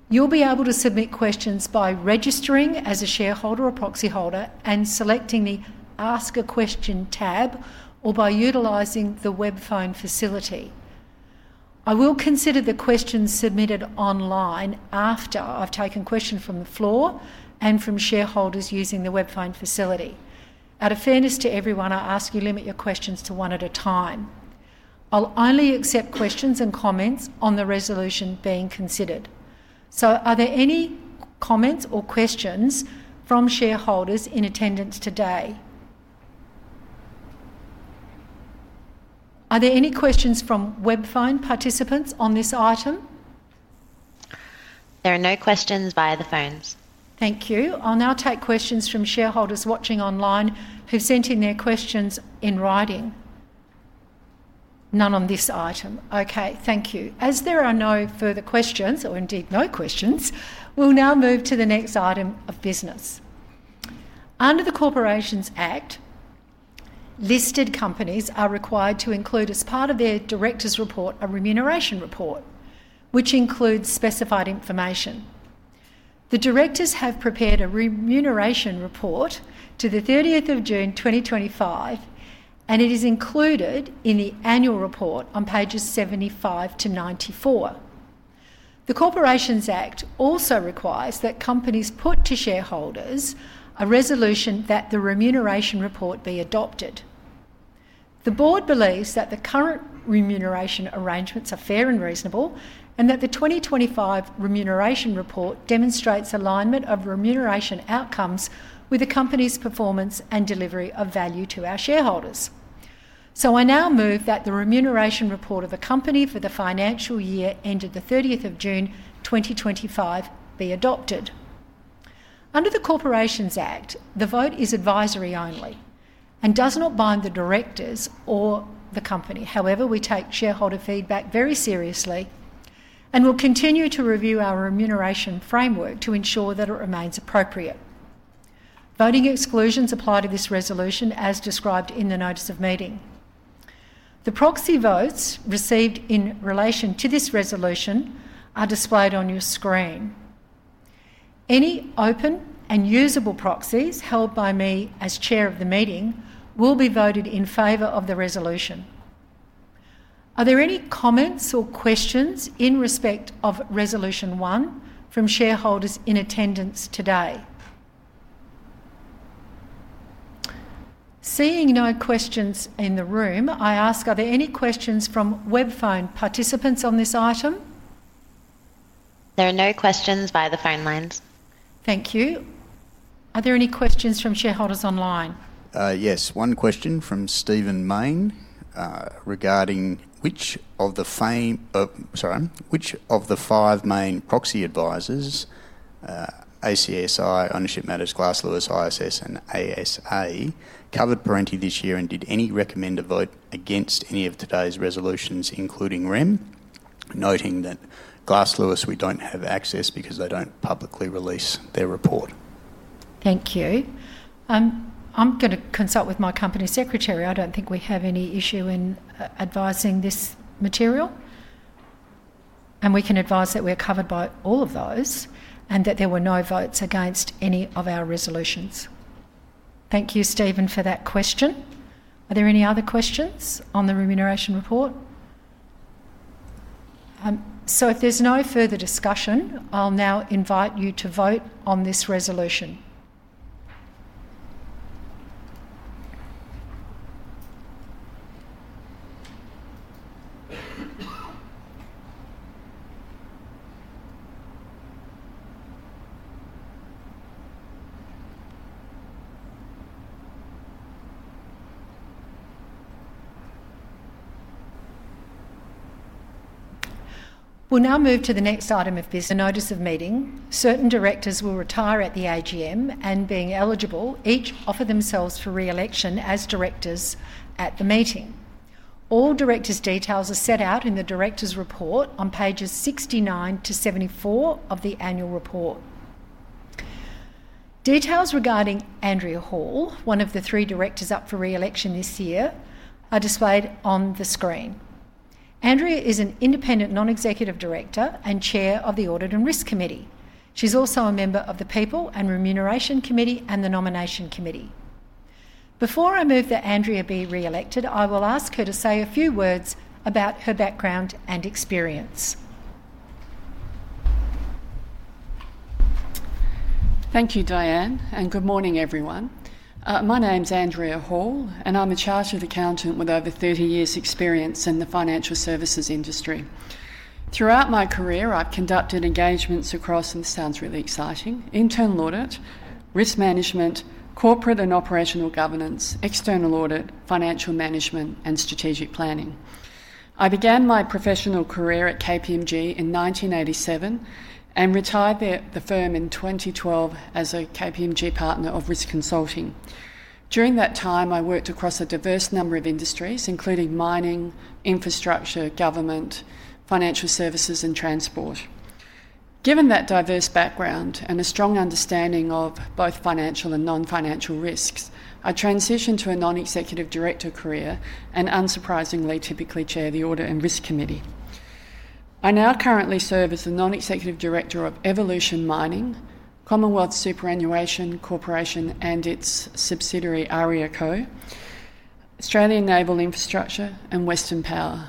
you will be able to submit questions by registering as a shareholder or proxy holder and selecting the Ask A Question tab or by utilizing the webphone facility. I will consider the questions submitted online after I've taken questions from the floor and from shareholders using the webphone facility. Out of fairness to everyone, I ask you limit your questions to one at a time. I'll only accept questions and comments on the resolution being considered. Are there any comments or questions from shareholders in attendance today? Are there any questions from webphone participants on this item? There are no questions via the phones. Thank you. I'll now take questions from shareholders watching online who sent in their questions in writing. None on this item. Thank you. As there are no further questions or indeed no questions, we'll now move to the next item of business. Under the Corporations Act, listed companies are required to include as part of their Directors' Report a remuneration report which includes specified information. The Directors have prepared a remuneration report to 30 June 2025, and it is included in the annual report on pages 75 to 94. The Corporations Act also requires that companies put to shareholders a resolution that the remuneration report be adopted. The Board believes that the current remuneration arrangements are fair and reasonable and that the 2025 remuneration report demonstrates alignment of remuneration outcomes with the company's performance and delivery of value to our shareholders. I now move that the remuneration report of the company for the financial year ended 30 June 2025 be adopted. Under the Corporations Act, the vote is advisory only and does not bind the directors or the company. However, we take shareholder feedback very seriously and we'll continue to review our remuneration framework to ensure that it remains appropriate. Voting exclusions apply to this resolution as described in the Notice of Meeting. The proxy votes received in relation to this resolution are displayed on your screen. Any open and usable proxies held by me as Chair of the meeting will be voted in favor of the resolution. Are there any comments or questions in respect of Resolution 1 from shareholders in attendance today? Seeing no questions in the room, I ask are there any questions from webphone participants on this item? There are no questions via the phone lines. Thank you. Are there any questions from shareholders online? Yes. One question from Stephen Main regarding which of the five main proxy advisors, ACSI, Ownership Matters, Glass Lewis, ISS, and ASA covered Perenti this year and did any recommend a vote against any of today's resolutions including REM, noting that Glass Lewis we don't have access because they don't publicly release their report. Thank you. I'm going to consult with my Company Secretary. I don't think we have any issue in advising this material, and we can advise that we are covered by all of those and that there were no votes against any of our resolutions. Thank you, Stephen, for that question. Are there any other questions on the remuneration report? If there's no further discussion, I'll now invite you to vote on this resolution. We'll now move to the next item. If there's a notice of meeting, certain Directors will retire at the AGM and, being eligible, each offer themselves for re-election as Directors at the meeting. All Directors' details are set out in the Directors' Report on pages 69 to 74 of the Annual Report. Details regarding Andrea Hall, one of the three Directors up for re-election this year, are displayed on the screen. Andrea is an Independent Non-Executive Director and Chair of the Audit and Risk Committee. She's also a member of the People and Remuneration Committee and the Nomination Committee. Before I move that Andrea be re-elected, I will ask her to say a few words about her background and experience. Thank you, Diane, and good morning, everyone. My name's Andrea Hall and I'm a Chartered Accountant with over 30 years' experience in the financial services industry. Throughout my career, I've conducted engagements across Internal Audit, Risk Management, Corporate and Operational Governance, External Audit, Financial Management, and Strategic Planning. I began my professional career at KPMG in 1987 and retired from the firm in 2012 as a KPMG Partner of Risk Consulting. During that time, I worked across a diverse number of industries including mining, infrastructure, government, financial services, and transport. Given that diverse background and a strong understanding of both financial and non-financial risks, I transitioned to a Non-Executive Director career and unsurprisingly typically chair the Audit and Risk Committee. I now currently serve as the Non-Executive Director of Evolution Mining, Commonwealth Superannuation Corporation and its subsidiary ARIA Co, Australian Naval Infrastructure, and Western Power.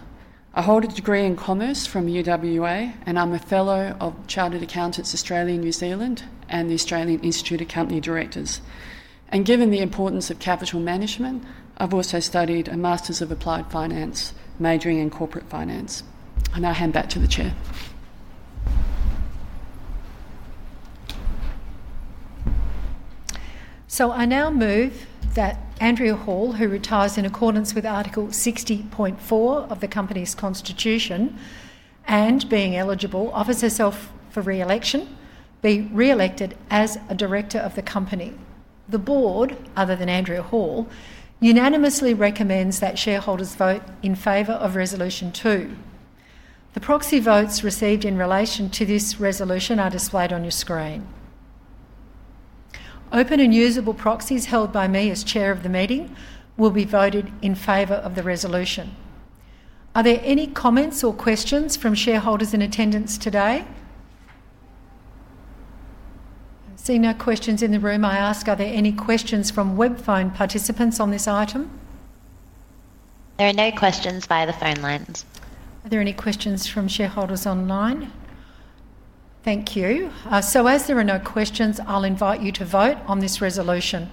I hold a degree in Commerce from UWA and I'm a Fellow of Chartered Accountants Australia, New Zealand, and the Australian Institute of Company Directors. Given the importance of capital management, I've also studied a Master's of Applied Finance majoring in Corporate Finance. I now hand back to the Chair. I now move that Andrea Hall, who retires in accordance with Article 60.4 of the Company's constitution and being eligible, offers herself for re-election be re-elected as a Director of the company. The Board, other than Andrea Hall, unanimously recommends that shareholders vote in favor of Resolution 2. The proxy votes received in relation to this resolution are displayed on your screen. Open and usable proxies held by me as Chair of the meeting will be voted in favor of the resolution. Are there any comments or questions from shareholders in attendance today? Seeing no questions in the room, I ask, are there any questions from webphone participants on this item? There are no questions via the phone lines. Are there any questions from shareholders online? Thank you. As there are no questions, I'll invite you to vote on this resolution.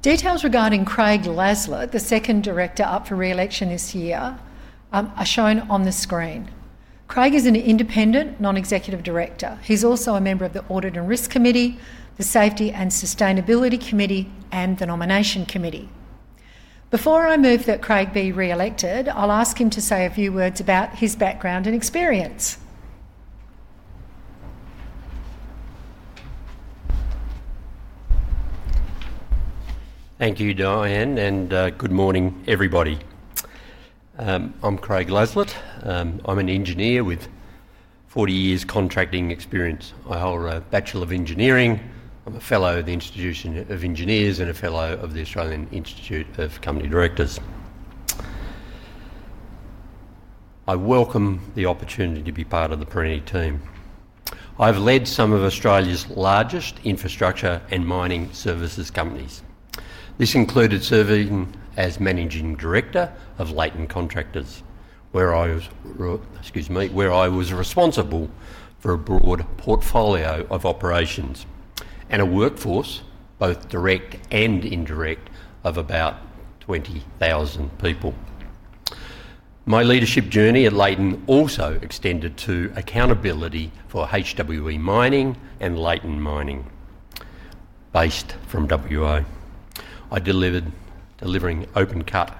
Details regarding Craig Laslett, the second Director up for re-election this year, are shown on the screen. Craig is an Independent Non-Executive Director. He's also a member of the Audit and Risk Committee, the Safety and Sustainability Committee, and the Nomination Committee. Before I move that Craig be re-elected, I'll ask him to say a few words about his background and experience. Thank you Diane and good morning everybody. I'm Craig Laslett. I'm an engineer with 40 years contracting experience. I hold a Bachelor of Engineering, I'm a Fellow of the Institution of Engineers and a Fellow of the Australian Institute of Company Directors. I welcome the opportunity to be part of the Perenti team. I've led some of Australia's largest infrastructure and mining services companies. This included serving as Managing Director of Leighton Contractors where I was responsible for a broad portfolio of operations and a workforce, both direct and indirect, of about 20,000 people. My leadership journey at Leighton also extended to accountability for HWE Mining and Leighton Mining, based from where I delivered open cut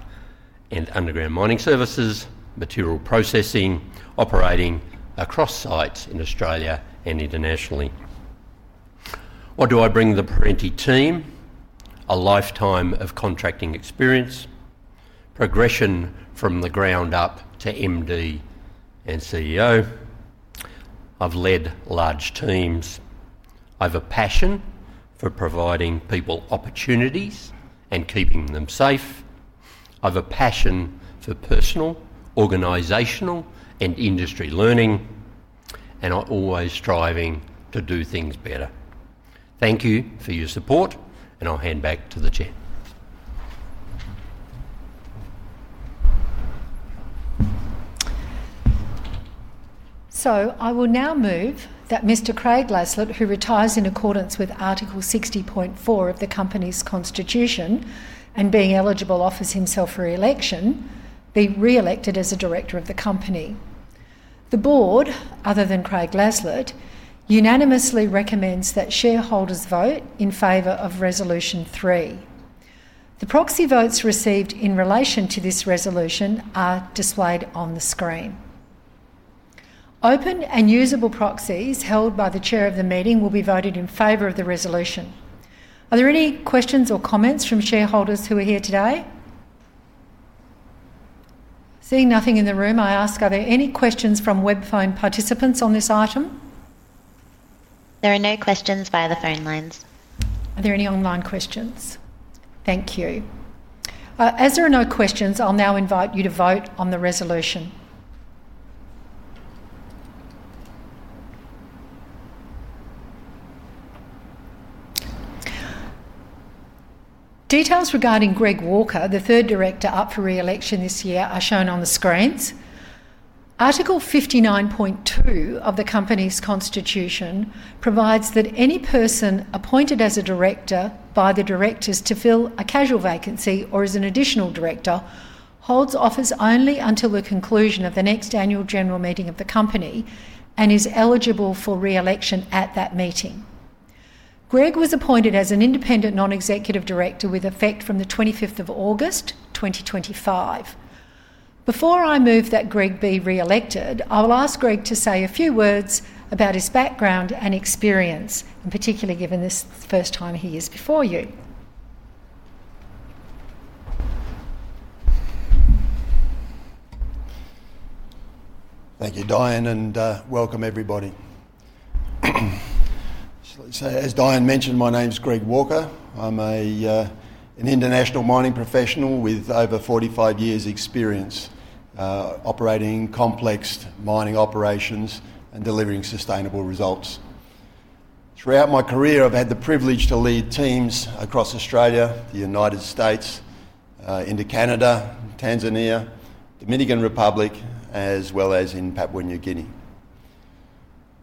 and underground mining services, material processing, operating across sites in Australia and internationally. What do I bring the Perenti team? A lifetime of contracting experience, progression from the ground up to MD and CEO. I've led large teams. I have a passion for providing people opportunities and keeping them safe. I have a passion for personal, organisational and industry learning and am always striving to do things better. Thank you for your support and I'll hand back to the Chair. I will now move that Mr. Craig Laslett, who retires in accordance with Article 60.4 of the Company's constitution and, being eligible, offers himself for re-election, be re-elected as a Director of the Company. The Board, other than Craig Laslett, unanimously recommends that shareholders vote in favor of Resolution 3. The proxy votes received in relation to this resolution are displayed on the screen. Open and usable proxies held by the Chair of the meeting will be voted in favor of the resolution. Are there any questions or comments from shareholders who are here today? Seeing nothing in the room, I ask, are there any questions from webphone participants on this item? There are no questions via the phone lines. Are there any online questions? Thank you. As there are no questions, I'll now invite you to vote on the resolution. Details regarding Greg Walker, the third Director up for re-election this year, are shown on the screens. Article 59.2 of the Company's constitution provides that any person appointed as a Director by the Directors to fill a casual vacancy or as an additional Director holds office only until the conclusion of the next Annual General Meeting of the Company and is eligible for re-election at that meeting. Greg was appointed as an Independent Non-Executive Director with effect from 25 August 2025. Before I move that Greg be re-elected, I will ask Greg to say a few words about his background and experience, particularly given this is the first time he is before. Thank you, Diane, and welcome everybody. As Diane mentioned, my name's Greg Walker. I'm an international mining professional with over 45 years' experience operating complex mining operations and delivering sustainable results. Throughout my career, I've had the privilege to lead teams across Australia, United States, into Canada, Tanzania, Dominican Republic, as well as in Papua New Guinea.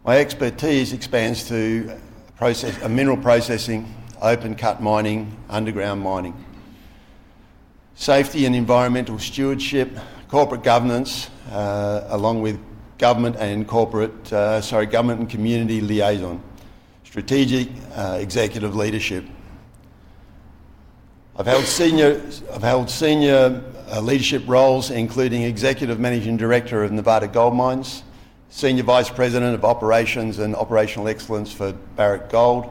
My expertise expands to process mineral processing, open cut mining, underground mining, safety and environmental stewardship, corporate governance, along with government and community liaison, strategic executive leadership. I've held senior leadership roles including Executive Managing Director of Nevada Gold Mines, Senior Vice President of Operations and Operational Excellence for Barrick Gold,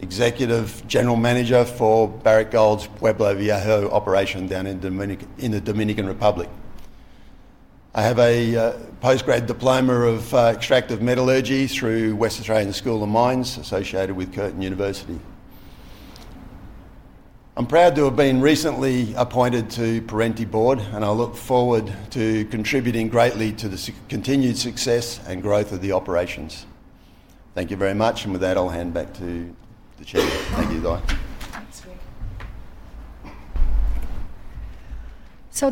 Executive General Manager for Barrick Gold's Pueblo Viejo operation down in the Dominican Republic. I have a Postgrad Diploma of Extractive Metallurgy through West Australian School of Mines, associated with Curtin University. I'm proud to have been recently appointed to Perenti board and I look forward to contributing greatly to the continued success and growth of the operations. Thank you very much. With that, I'll hand back to the Chair. Thank you, Di. At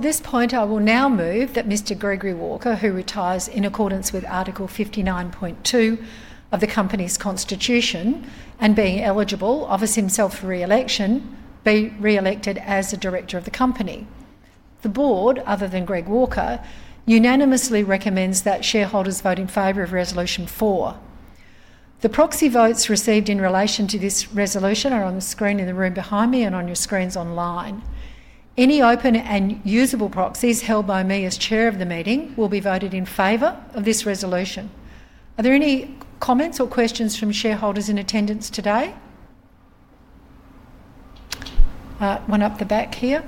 this point I will now move that Mr. Greg Walker, who retires in accordance with Article 59.2 of the Company's constitution and being eligible, offers himself for re-election be re-elected as a director of the company. The Board other than Greg Walker unanimously recommends that shareholders vote in favor of Resolution 4. The proxy votes received in relation to this resolution are on the screen in the room behind me and on your screens online. Any open and usable proxies held by me as Chair of the meeting will be voted in favor of this resolution. Are there any comments or questions from shareholders in attendance today? One up the back here.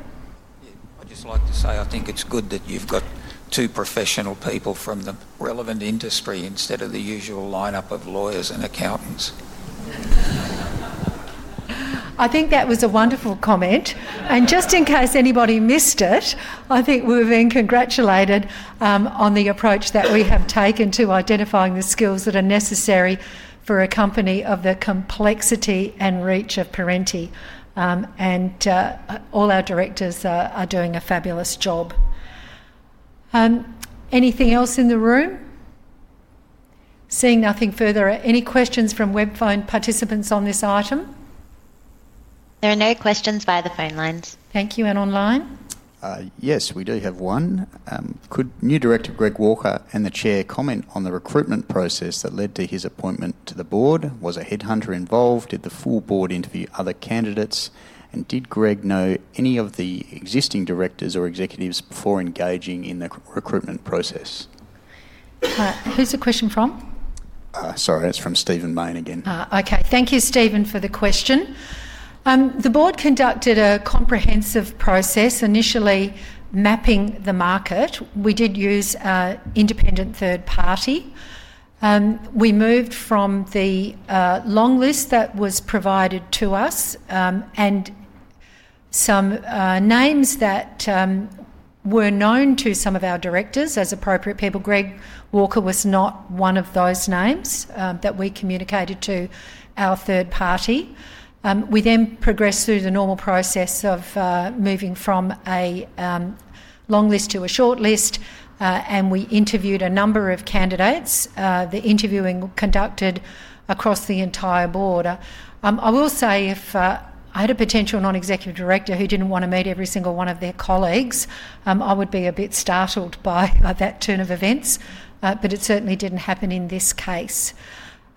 I'd just like to say I think it's good that you've got two professional people from the relevant industry instead of the usual lineup of lawyers and accountants. I think that was a wonderful comment and just in case anybody missed it, I think we've been congratulated on the approach that we have taken to identifying the skills that are necessary for a company of the complexity and reach of Perenti. All our directors are doing a fabulous job. Anything else in the room? Seeing nothing further. Any questions from webphone participants on this item? There are no questions via the phone lines. Thank you. And online. Yes, we do have one. Could new director Greg Walker and the Chair comment on the recruitment process that led to his appointment to the Board? Was a headhunter involved? Did the full Board interview other candidates? Did Greg know any of the existing directors or executives before engaging in the recruitment process? Who's the question from? Sorry, it's from Stephen Main again. Okay, thank you, Stephen, for the question. The Board conducted a comprehensive process, initially mapping the market. We did use an independent third party. We moved from the long list that was provided to us and some names that were known to some of our Directors as appropriate people. Greg Walker was not one of those names that we communicated to our third party. We then progressed through the normal process of moving from a long list to a short list, and we interviewed a number of candidates. The interviewing was conducted across the entire Board. I will say if I had a potential Non-Executive Director who didn't want to meet every single one of their colleagues, I would be a bit startled by that turn of events. It certainly didn't happen in this case.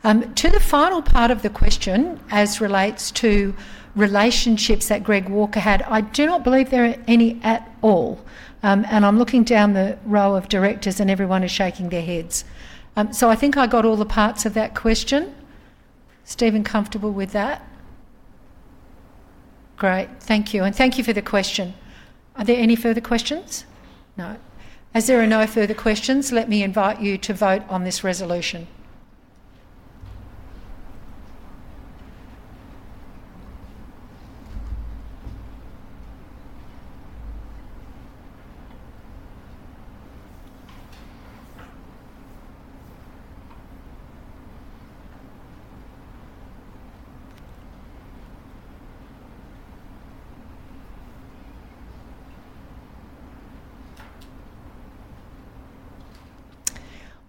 To the final part of the question, as it relates to relationships that Greg Walker had, I do not believe there are any at all. I'm looking down the row of Directors and everyone is shaking their heads. I think I got all the parts of that question. Stephen, comfortable with that. Great. Thank you. Thank you for the question. Are there any further questions? No. As there are no further questions, let me invite you to vote on this resolution.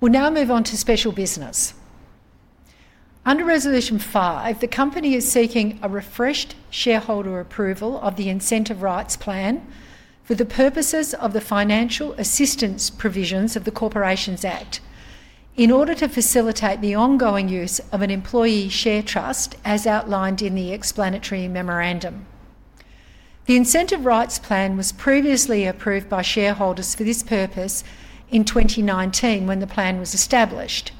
We'll now move on to special business. Under Resolution 5, the Company is seeking a refreshed shareholder approval of the Incentive Rights Plan for the purposes of the financial assistance provisions of the Corporations Act in order to facilitate the ongoing use of an employee share trust as outlined in the Explanatory Memorandum. The Incentive Rights Plan was previously approved by shareholders for this purpose in 2019 when the plan was established.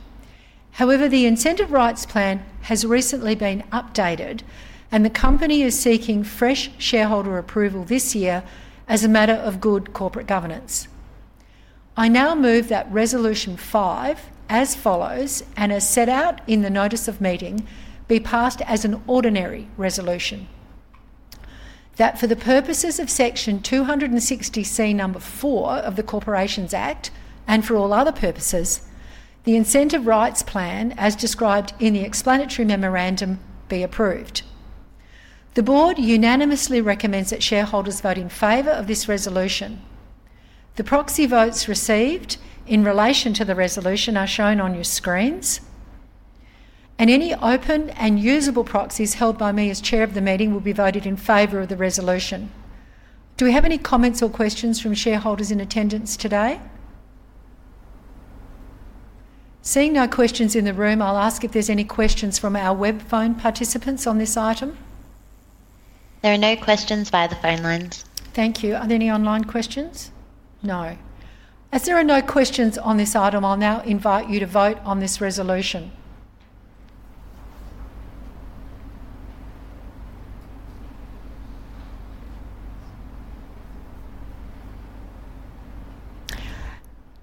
However, the Incentive Rights Plan has recently been updated and the Company is seeking fresh shareholder approval this year. As a matter of good corporate governance, I now move that Resolution 5 as follows and as set out in the Notice of Meeting be passed as an ordinary resolution that, for the purposes of section 260C(4) of the Corporations Act and for all other purposes, the Incentive Rights Plan as described in the Explanatory Memorandum be approved. The Board unanimously recommends that shareholders vote in favor of this resolution. The proxy votes received in relation to the resolution are shown on your screens, and any open and usable proxies held by me as Chair of the meeting will be voted in favor of the resolution. Do we have any comments or questions from shareholders in attendance today? Seeing no questions in the room, I'll ask if there's any questions from our web phone participants on this item. There are no questions via the phone lines. Thank you. Are there any online questions? No. As there are no questions on this item, I'll now invite you to vote on this resolution.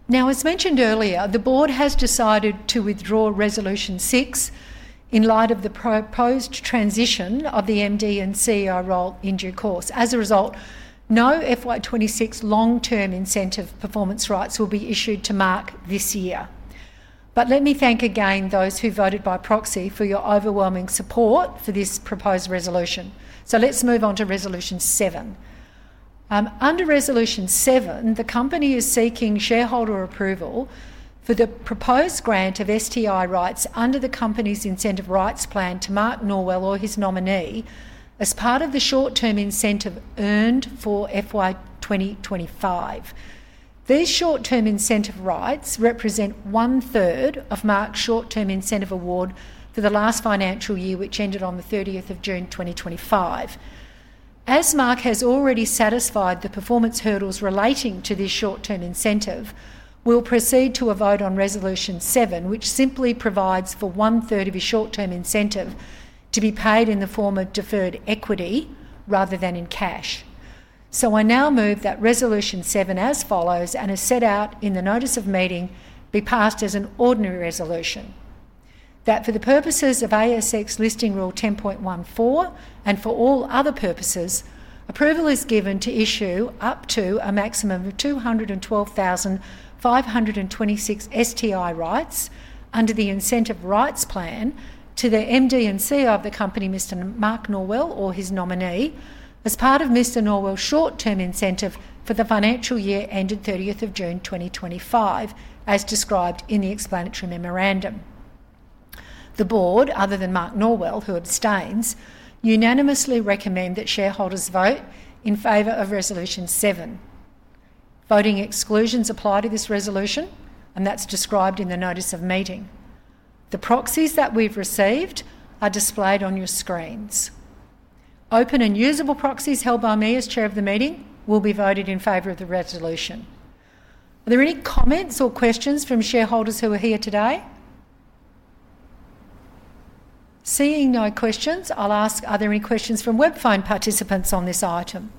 Now, as mentioned earlier, the Board has decided to withdraw Resolution 6 in light of the proposed transition of the MD and CEO role. In due course, as a result, no FY 2026 long term incentive performance rights will be issued to Mark this year. Let me thank again those who voted by proxy for your overwhelming support for this proposed resolution. Let's move on to Resolution 7. Under Resolution 7, the company is seeking shareholder approval for the proposed grant of STI rights under the Company's Incentive Rights Plan to Mark Norwell or his nominee as part of the short term incentive earned for FY 2025. These short term incentive rights represent one third of Mark's short term incentive award for the last financial year which ended on 30 June 2025. As Mark has already satisfied the performance hurdles relating to this short term incentive, we will proceed to a vote on Resolution 7, which simply provides for one third of your short term incentive to be paid in the form of deferred equity rather than in cash. I now move that Resolution 7 as follows and as set out in the notice of meeting, be passed as an ordinary resolution that for the purposes of ASX Listing Rule 10.14 and for all other purposes, approval is given to issue up to a maximum of 212,526 STI rights under the Incentive Rights Plan to the MD and CEO of the Company, Mr. Mark Norwell, or his nominee as part of Mr. Norwell's short term incentive for the financial year ended 30 June 2025, as described in the explanatory memorandum. The Board, other than Mark Norwell, who abstains, unanimously recommend that shareholders vote in favor of Resolution 7. Voting exclusions apply to this resolution and that's described in the notice of meeting. The proxies that we've received are displayed on your screens. Open and usable proxies held by me as Chair of the meeting will be voted in favor of the resolution. Are there any comments or questions from shareholders who are here today? Seeing no questions, I'll ask. Are there any questions from web phone participants on this item?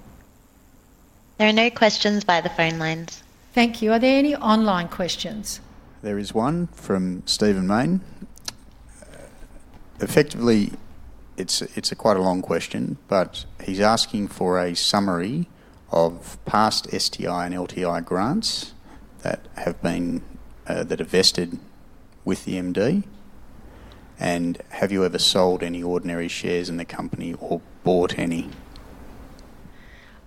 There are no questions by the phone lines. Thank you. Are there any online questions? There is one from Stephen Main. Effectively, it's quite a long question, but he's asking for a summary of past STI and LTI grants that have been that are vested with the MD. Have you ever sold any ordinary shares in the company or bought any?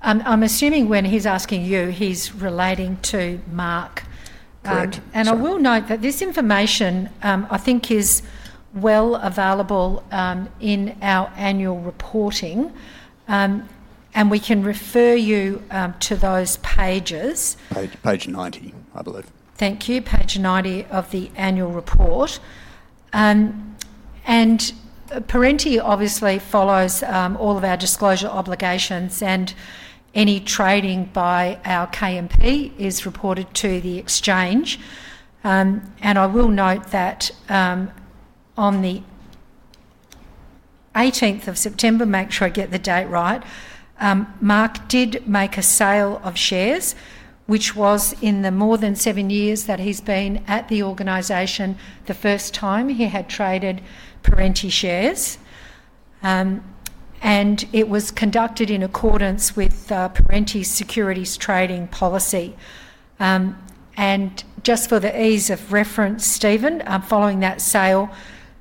I'm assuming when he's asking you, he's relating to Mark. Good. This information, I think, is well available in our annual reporting, and we can refer you to those pages. Page 90, I believe. Thank you. Page 90 of the annual report. Perenti obviously follows all of our disclosure obligations, and any trading by our KMP is reported to the Exchange. I will note that on the 18th of September, make sure I get the date right, Mark did make a sale of shares, which was in the more than seven years that he's been at the organization, the first time he had traded Perenti. Shares. It was conducted in accordance with Perenti's Securities Trading Policy. Just for the ease of reference, Stephen, following that sale,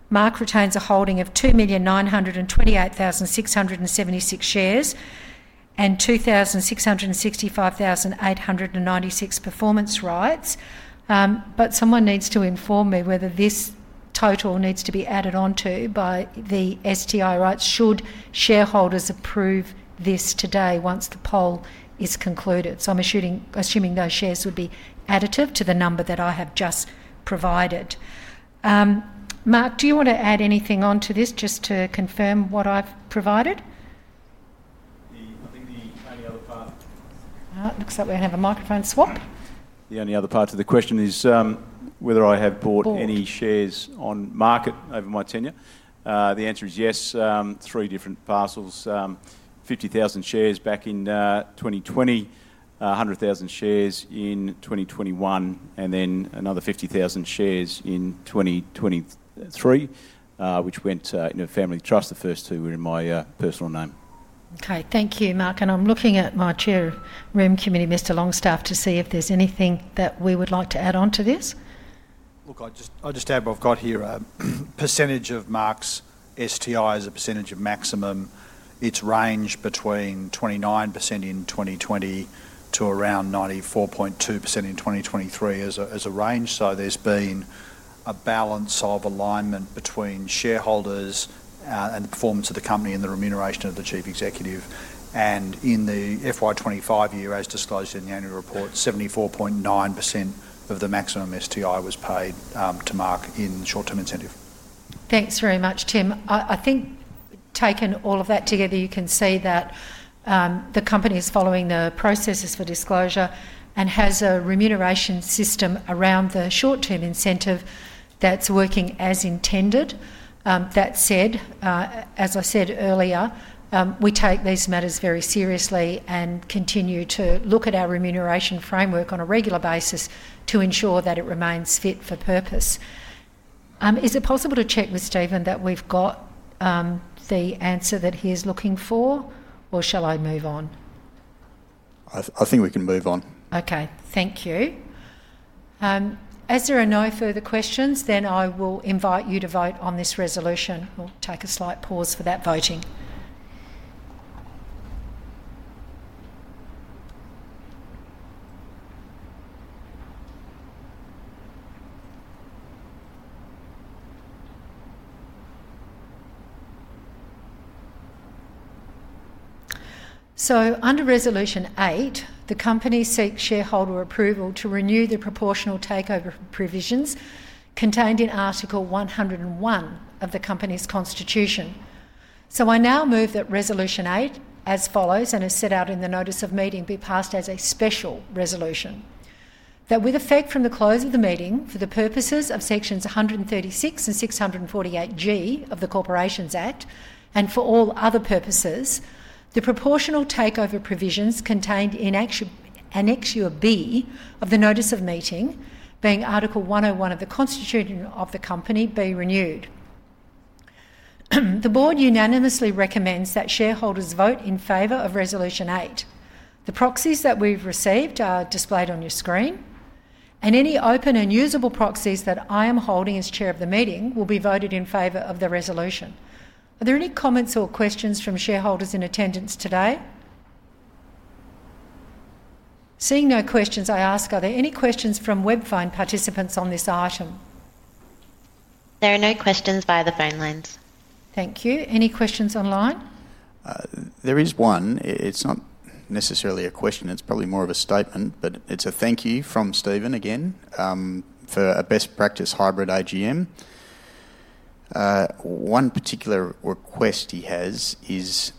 Mark retains a holding of 2,928,676 shares and 2,665,896 performance rights. Someone needs to inform me whether this total needs to be added onto by the STI rights should shareholders approve this today once the poll is concluded. I'm assuming those shares would be additive to the number that I have just provided. Mark, do you want to add anything on to this, just to confirm what I've provided? Looks like we have a microphone swap. The only other part to the question is whether I have bought any shares on market over my tenure. The answer is yes. Three different parcels: 50,000 shares back in 2020, 100,000 shares in 2021, and then another 50,000 shares in 2023, which went into a family trust. The first two were in my personal name. Okay, thank you, Mark. I'm looking at my Chair of the People and Remuneration Committee, Mr. Longstaff, to see if there's anything that we would like to add on this. I'll just add what I've got here. Percentage of Mark's STI as a percentage of maximum. It's ranged between 29% in 2020 to around 94.2% in 2023 as a range. There's been a balance of alignment. Between shareholders and the performance of the. Company and the remuneration of the Chief Executive. In the FY 2025 year, as disclosed in the annual report, 74.9% of the maximum STI was paid to Mark in short term incentive. Thanks very much, Tim. I think taken all of that together, you can see that the company is following the processes for disclosure and has a remuneration system around the short term incentive that's working as intended. That said, as I said earlier, we take these matters very seriously and continue to look at our remuneration framework on a regular basis to ensure that it remains fit for purpose. Is it possible to check with Stephen that we've got the answer that he's looking for or shall I move on? I think we can move on. Okay, thank you. As there are no further questions, I will invite you to vote on this resolution. We'll take a slight pause for that voting. Under Resolution 8, the company seeks shareholder approval to renew the proportional takeover provisions contained in Article 101 of the company's constitution. I now move that Resolution 8 as follows and as set out in the notice of meeting be passed as a special resolution that, with effect from the close of the meeting, for the purposes of sections 136 and 648 of the Corporations Act and for all other purposes, the proportional takeover provisions contained in Annexure B of the notice of meeting, being Article 101 of the Constitution of the company, be renewed. The Board unanimously recommends that shareholders vote in favor of Resolution 8. The proxies that we've received are displayed on your screen, and any open and usable proxies that I am holding as Chair of the meeting will be voted in favor of the resolution. Are there any comments or questions from shareholders in attendance today? Seeing no questions, I ask, are there any questions from webphone participants on this item? There are no questions via the phone lines. Thank you. Any questions online? There is one. It's not necessarily a question, it's probably more of a statement, but it's a thank you from Stephen again for a best practice hybrid AGM. One particular request he has is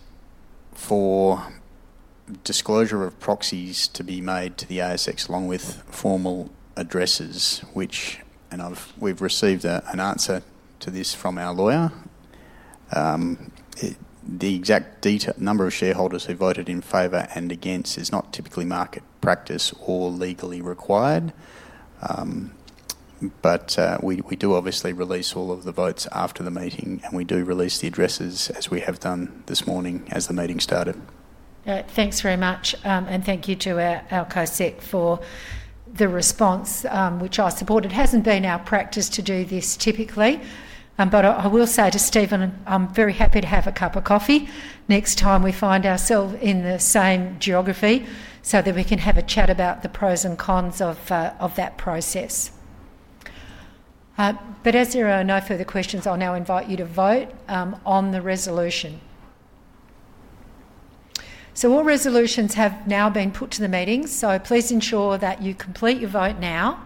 for disclosure of proxies to be made to the ASX, along with formal addresses. We've received an answer to this from our lawyer. The exact number of shareholders who voted in favor and against is not typically market practice or legally required, but we do obviously release all of the votes after the meeting and we do release the addresses as we have done this morning as the meeting started. Thanks very much, and thank you to our cosec for the response, which I support. It hasn't been our practice to do this typically, but I will say to Stephen, I'm very happy to have a cup of coffee next time we find ourselves in the same geography so that we can have a chat about the pros and cons of that process. As there are no further questions, I'll now invite you to vote on the resolution. All resolutions have now been put to the meeting, so please ensure that you complete your vote now.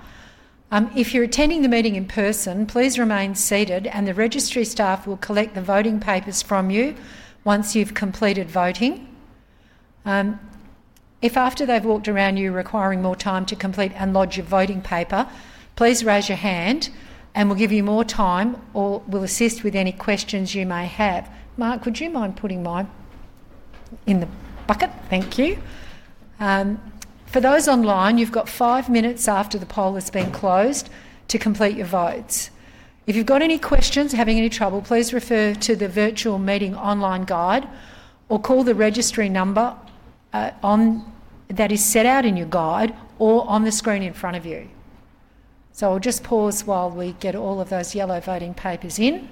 If you're attending the meeting in person, please remain seated, and the registry staff will collect the voting papers from you once you've completed voting. If, after they've walked around, you require more time to complete and lodge your voting paper, please raise your hand, and we'll give you more time or we'll assist with any questions you may have. Mark, would you mind putting mine in the bucket? Thank you. For those online, you've got five minutes after the poll has been closed to complete your votes. If you've got any questions or are having any trouble, please refer to the virtual meeting online guide or call the registry number that is set out in your guide or on the screen in front of you. I'll just pause while we get all of those yellow voting papers in.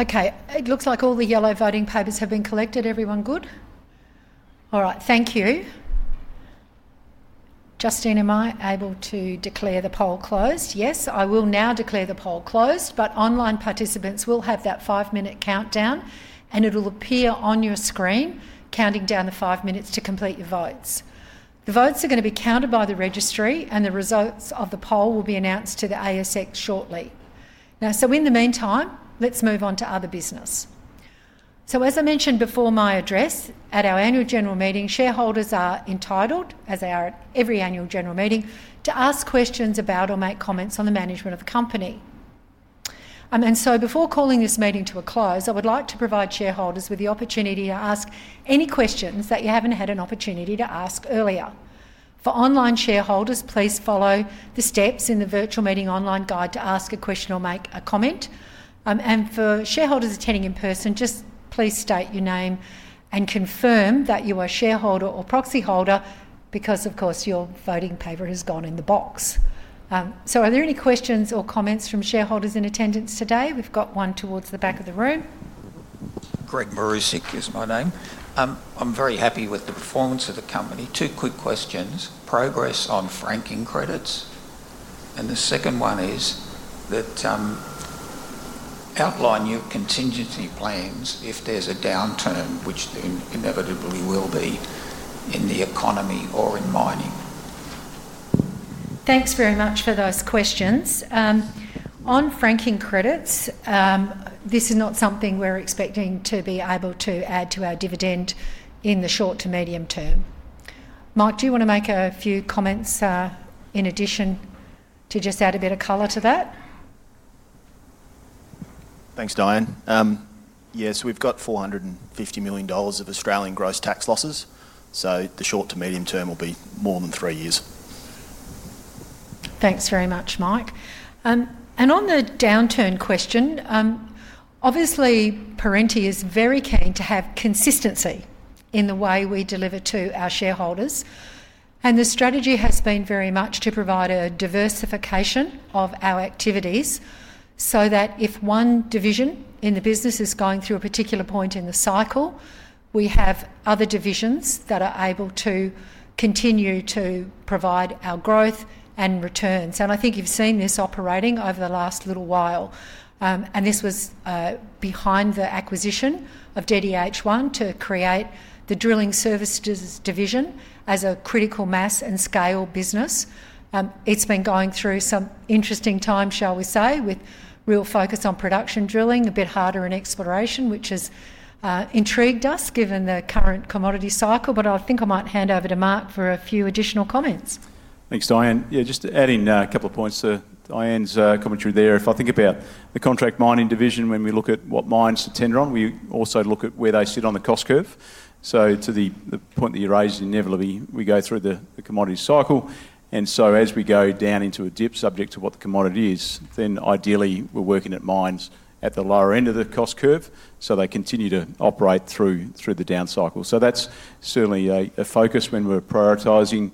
Okay. It looks like all the yellow voting papers have been collected. Everyone good? All right, thank you, Justine. Am I able to declare the poll closed? Yes, I will now declare the poll closed, but online participants will have that five-minute countdown, and it'll appear on your screen, counting down the five minutes to complete your votes. The votes are going to be counted by the registry, and the results of the poll will be announced to the ASX shortly. In the meantime, let's move on to other business. As I mentioned before in my address at our Annual General Meeting, shareholders are entitled, as they are at every Annual General Meeting, to ask questions about or make comments on the management of the company. Before calling this meeting to a close, I would like to provide shareholders with the opportunity to ask any questions that you haven't had an opportunity to ask earlier. For online shareholders, please follow the steps in the virtual meeting online guide to ask a question or make a comment. For shareholders attending in person, just please state your name and confirm that you are a shareholder or proxy holder, because, of course, your voting paper has gone in the box. Are there any questions or comments from shareholders in attendance today? We've got one towards the back of the room. Greg Marusik is my name. I'm very happy with the performance of the company. Two quick questions: progress on franking credits, and the second one is that outline your contingency plans if there's a downturn, which inevitably will be in the economy or in mining. Thanks very much for those questions on franking credits. This is not something we're expecting to be able to add to our dividend in the short to medium term. Mark, do you want to make a few comments in addition to just add a bit of color to that? Thanks, Diane. Yes, we've got 450 million dollars. Gross tax losses, to the short. Medium term will be more than three years. Thanks very much, Mark. On the downturn question, obviously Perenti is very keen to have consistency in the way we deliver to our shareholders. The strategy has been very much to provide a diversification of our activities so that if one division in the business is going through a particular point in the cycle, we have other divisions that are able to continue to provide our growth and returns. I think you've seen this operating over the last little while. This was behind the acquisition of DDH1 Limited to create the drilling services division as a critical mass and scale business. It's been going through some interesting times, shall we say, with real focus on production, drilling a bit harder in exploration, which has intrigued us given the current commodity cycle. I think I might hand over to Mark for a few additional comments. Thanks, Diane. Yeah, just adding a couple of points to Diane's commentary there. If I think about the contract mining division, when we look at what mines to tender on, we also look at where they sit on the cost curve. To the point that you raised, inevitably we go through the commodity cycle, and as we go down into a dip, subject to what the commodity is, then ideally we're working at mines at the lower end of the cost curve, so they continue to operate through the down cycle. That's certainly a focus when we're prioritizing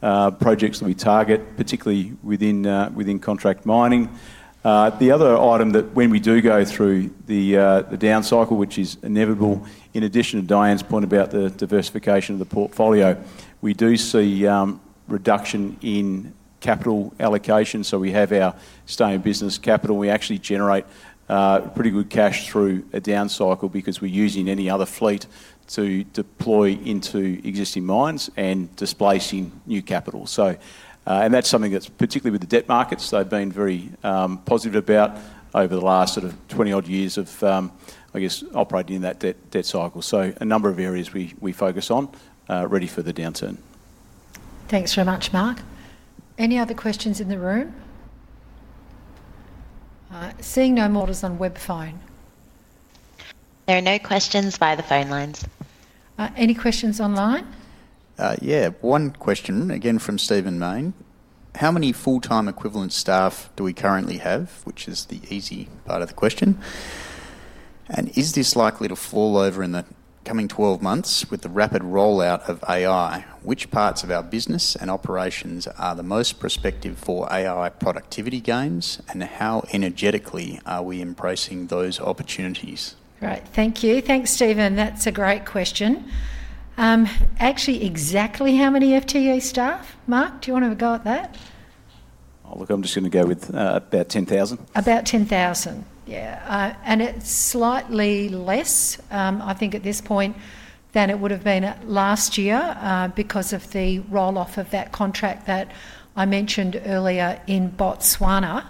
projects that we target, particularly within contract mining. The other item is that when we do go through the down cycle, which is inevitable, in addition to Diane's point about the diversification of the portfolio, we do see reduction in capital allocation. We have our stay in business capital. We actually generate pretty good cash through a down cycle because we're using any other fleet to deploy into existing mines and displacing new capital. That's something that, particularly with the debt markets, they've been very positive about over the last sort of 20 odd years of, I guess, operating in that debt cycle. A number of areas we focus on are ready for the downturn. Thanks very much, Mark. Any other questions in the room? Seeing no more on webphone. There are no questions via the phone line. Any questions online? Yeah, one question again from Stephen Main. How many full time equivalent staff do we currently have, which is the easy part of the question, and is this likely to fall over in the coming 12 months with the rapid rollout of AI? Which parts of our business and operations are the most prospective for AI productivity gains, and how energetically are we embracing those opportunities? Great, thank you. Thanks, Stephen. That's a great question, actually. Exactly how many FTE staff, Mark, do you want to have a go at that? Look, I'm just going to go with about 10,000. About 10,000, yeah. It's slightly less, I think, at this point than it would have been last year because of the roll off of that contract that I mentioned earlier in Botswana.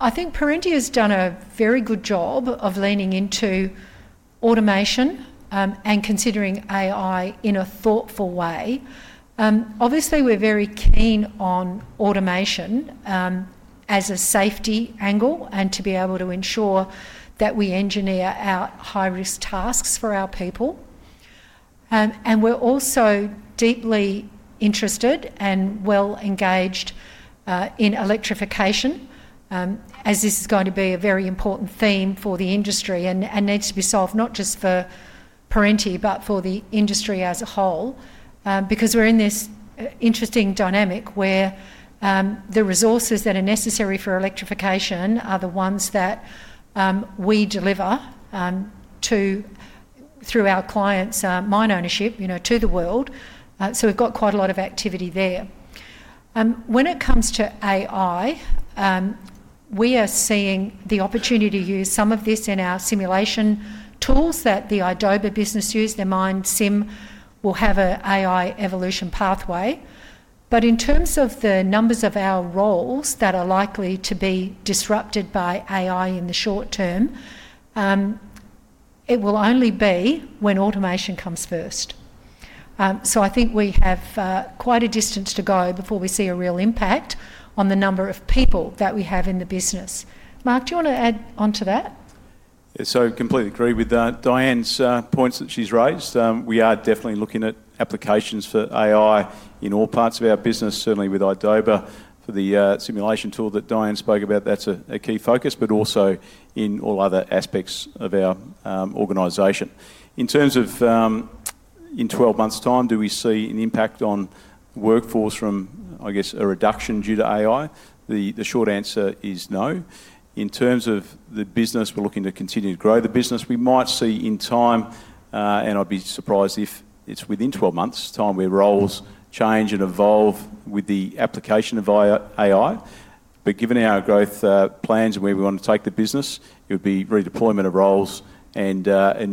I think Perenti has done a very good job of leaning into automation and considering AI in a thoughtful way. Obviously we're very keen on automation as a safety angle and to be able to ensure that we engineer our high risk tasks for our people. We're also deeply interested and well engaged in electrification as this is going to be a very important theme for the industry and needs to be solved not just for Perenti, but for the industry as a whole. We're in this interesting dynamic where the resources that are necessary for electrification are the ones that we deliver to through our clients' mine ownership to the world. We've got quite a lot of activity there. When it comes to AI, we are seeing the opportunity to use some of this in our simulation tools that the IDOBA business uses. Their MineSIM will have an AI evolution pathway, but in terms of the numbers of our roles that are likely to be disrupted by AI in the short term, it will only be when automation comes first. I think we have quite a distance to go before we see a real impact on the number of people that we have in the business. Mark, do you want to add onto that? Yes, I completely agree with Diane's points that she's raised. We are definitely looking at applications for AI in all parts of our business, certainly with IDOBA for the simulation tool that Diane spoke about. That's a key focus, but also in all other aspects of our organization. In terms of in 12 months' time, do we see an impact on workforce from, I guess, a reduction due to AI? The short answer is no. In terms of the business, we're looking to continue to grow the business. We might see in time, and I'd be surprised if it's within 12 months' time, where roles change and evolve with the application of AI. Given our growth plans and where we want to take the business, it would be redeployment of roles and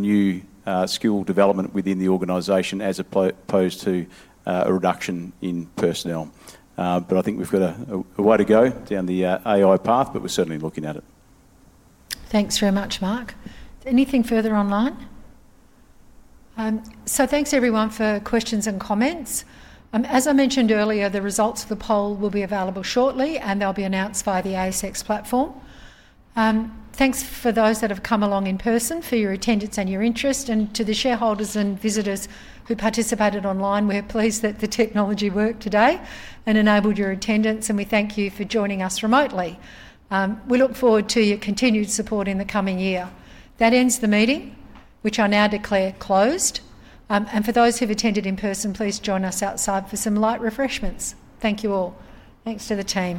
new skill development within the organization as opposed to a reduction in personnel. I think we've got a way to go down the AI path, but we're certainly looking at it. Thanks very much, Mark. Anything further online? Thanks everyone for questions and comments. As I mentioned earlier, the results of the poll will be available shortly and they'll be announced by the ASX platform. Thanks to those that have come along in person for your attendance and your interest, and to the shareholders and visitors who participated online. We're pleased that the technology worked today and enabled your attendance, and we thank you for joining us remotely. We look forward to your continued support in the coming year. That ends the meeting, which I now declare closed. For those who've attended in person, please join us outside for some light refreshments. Thank you all. Thanks to the team.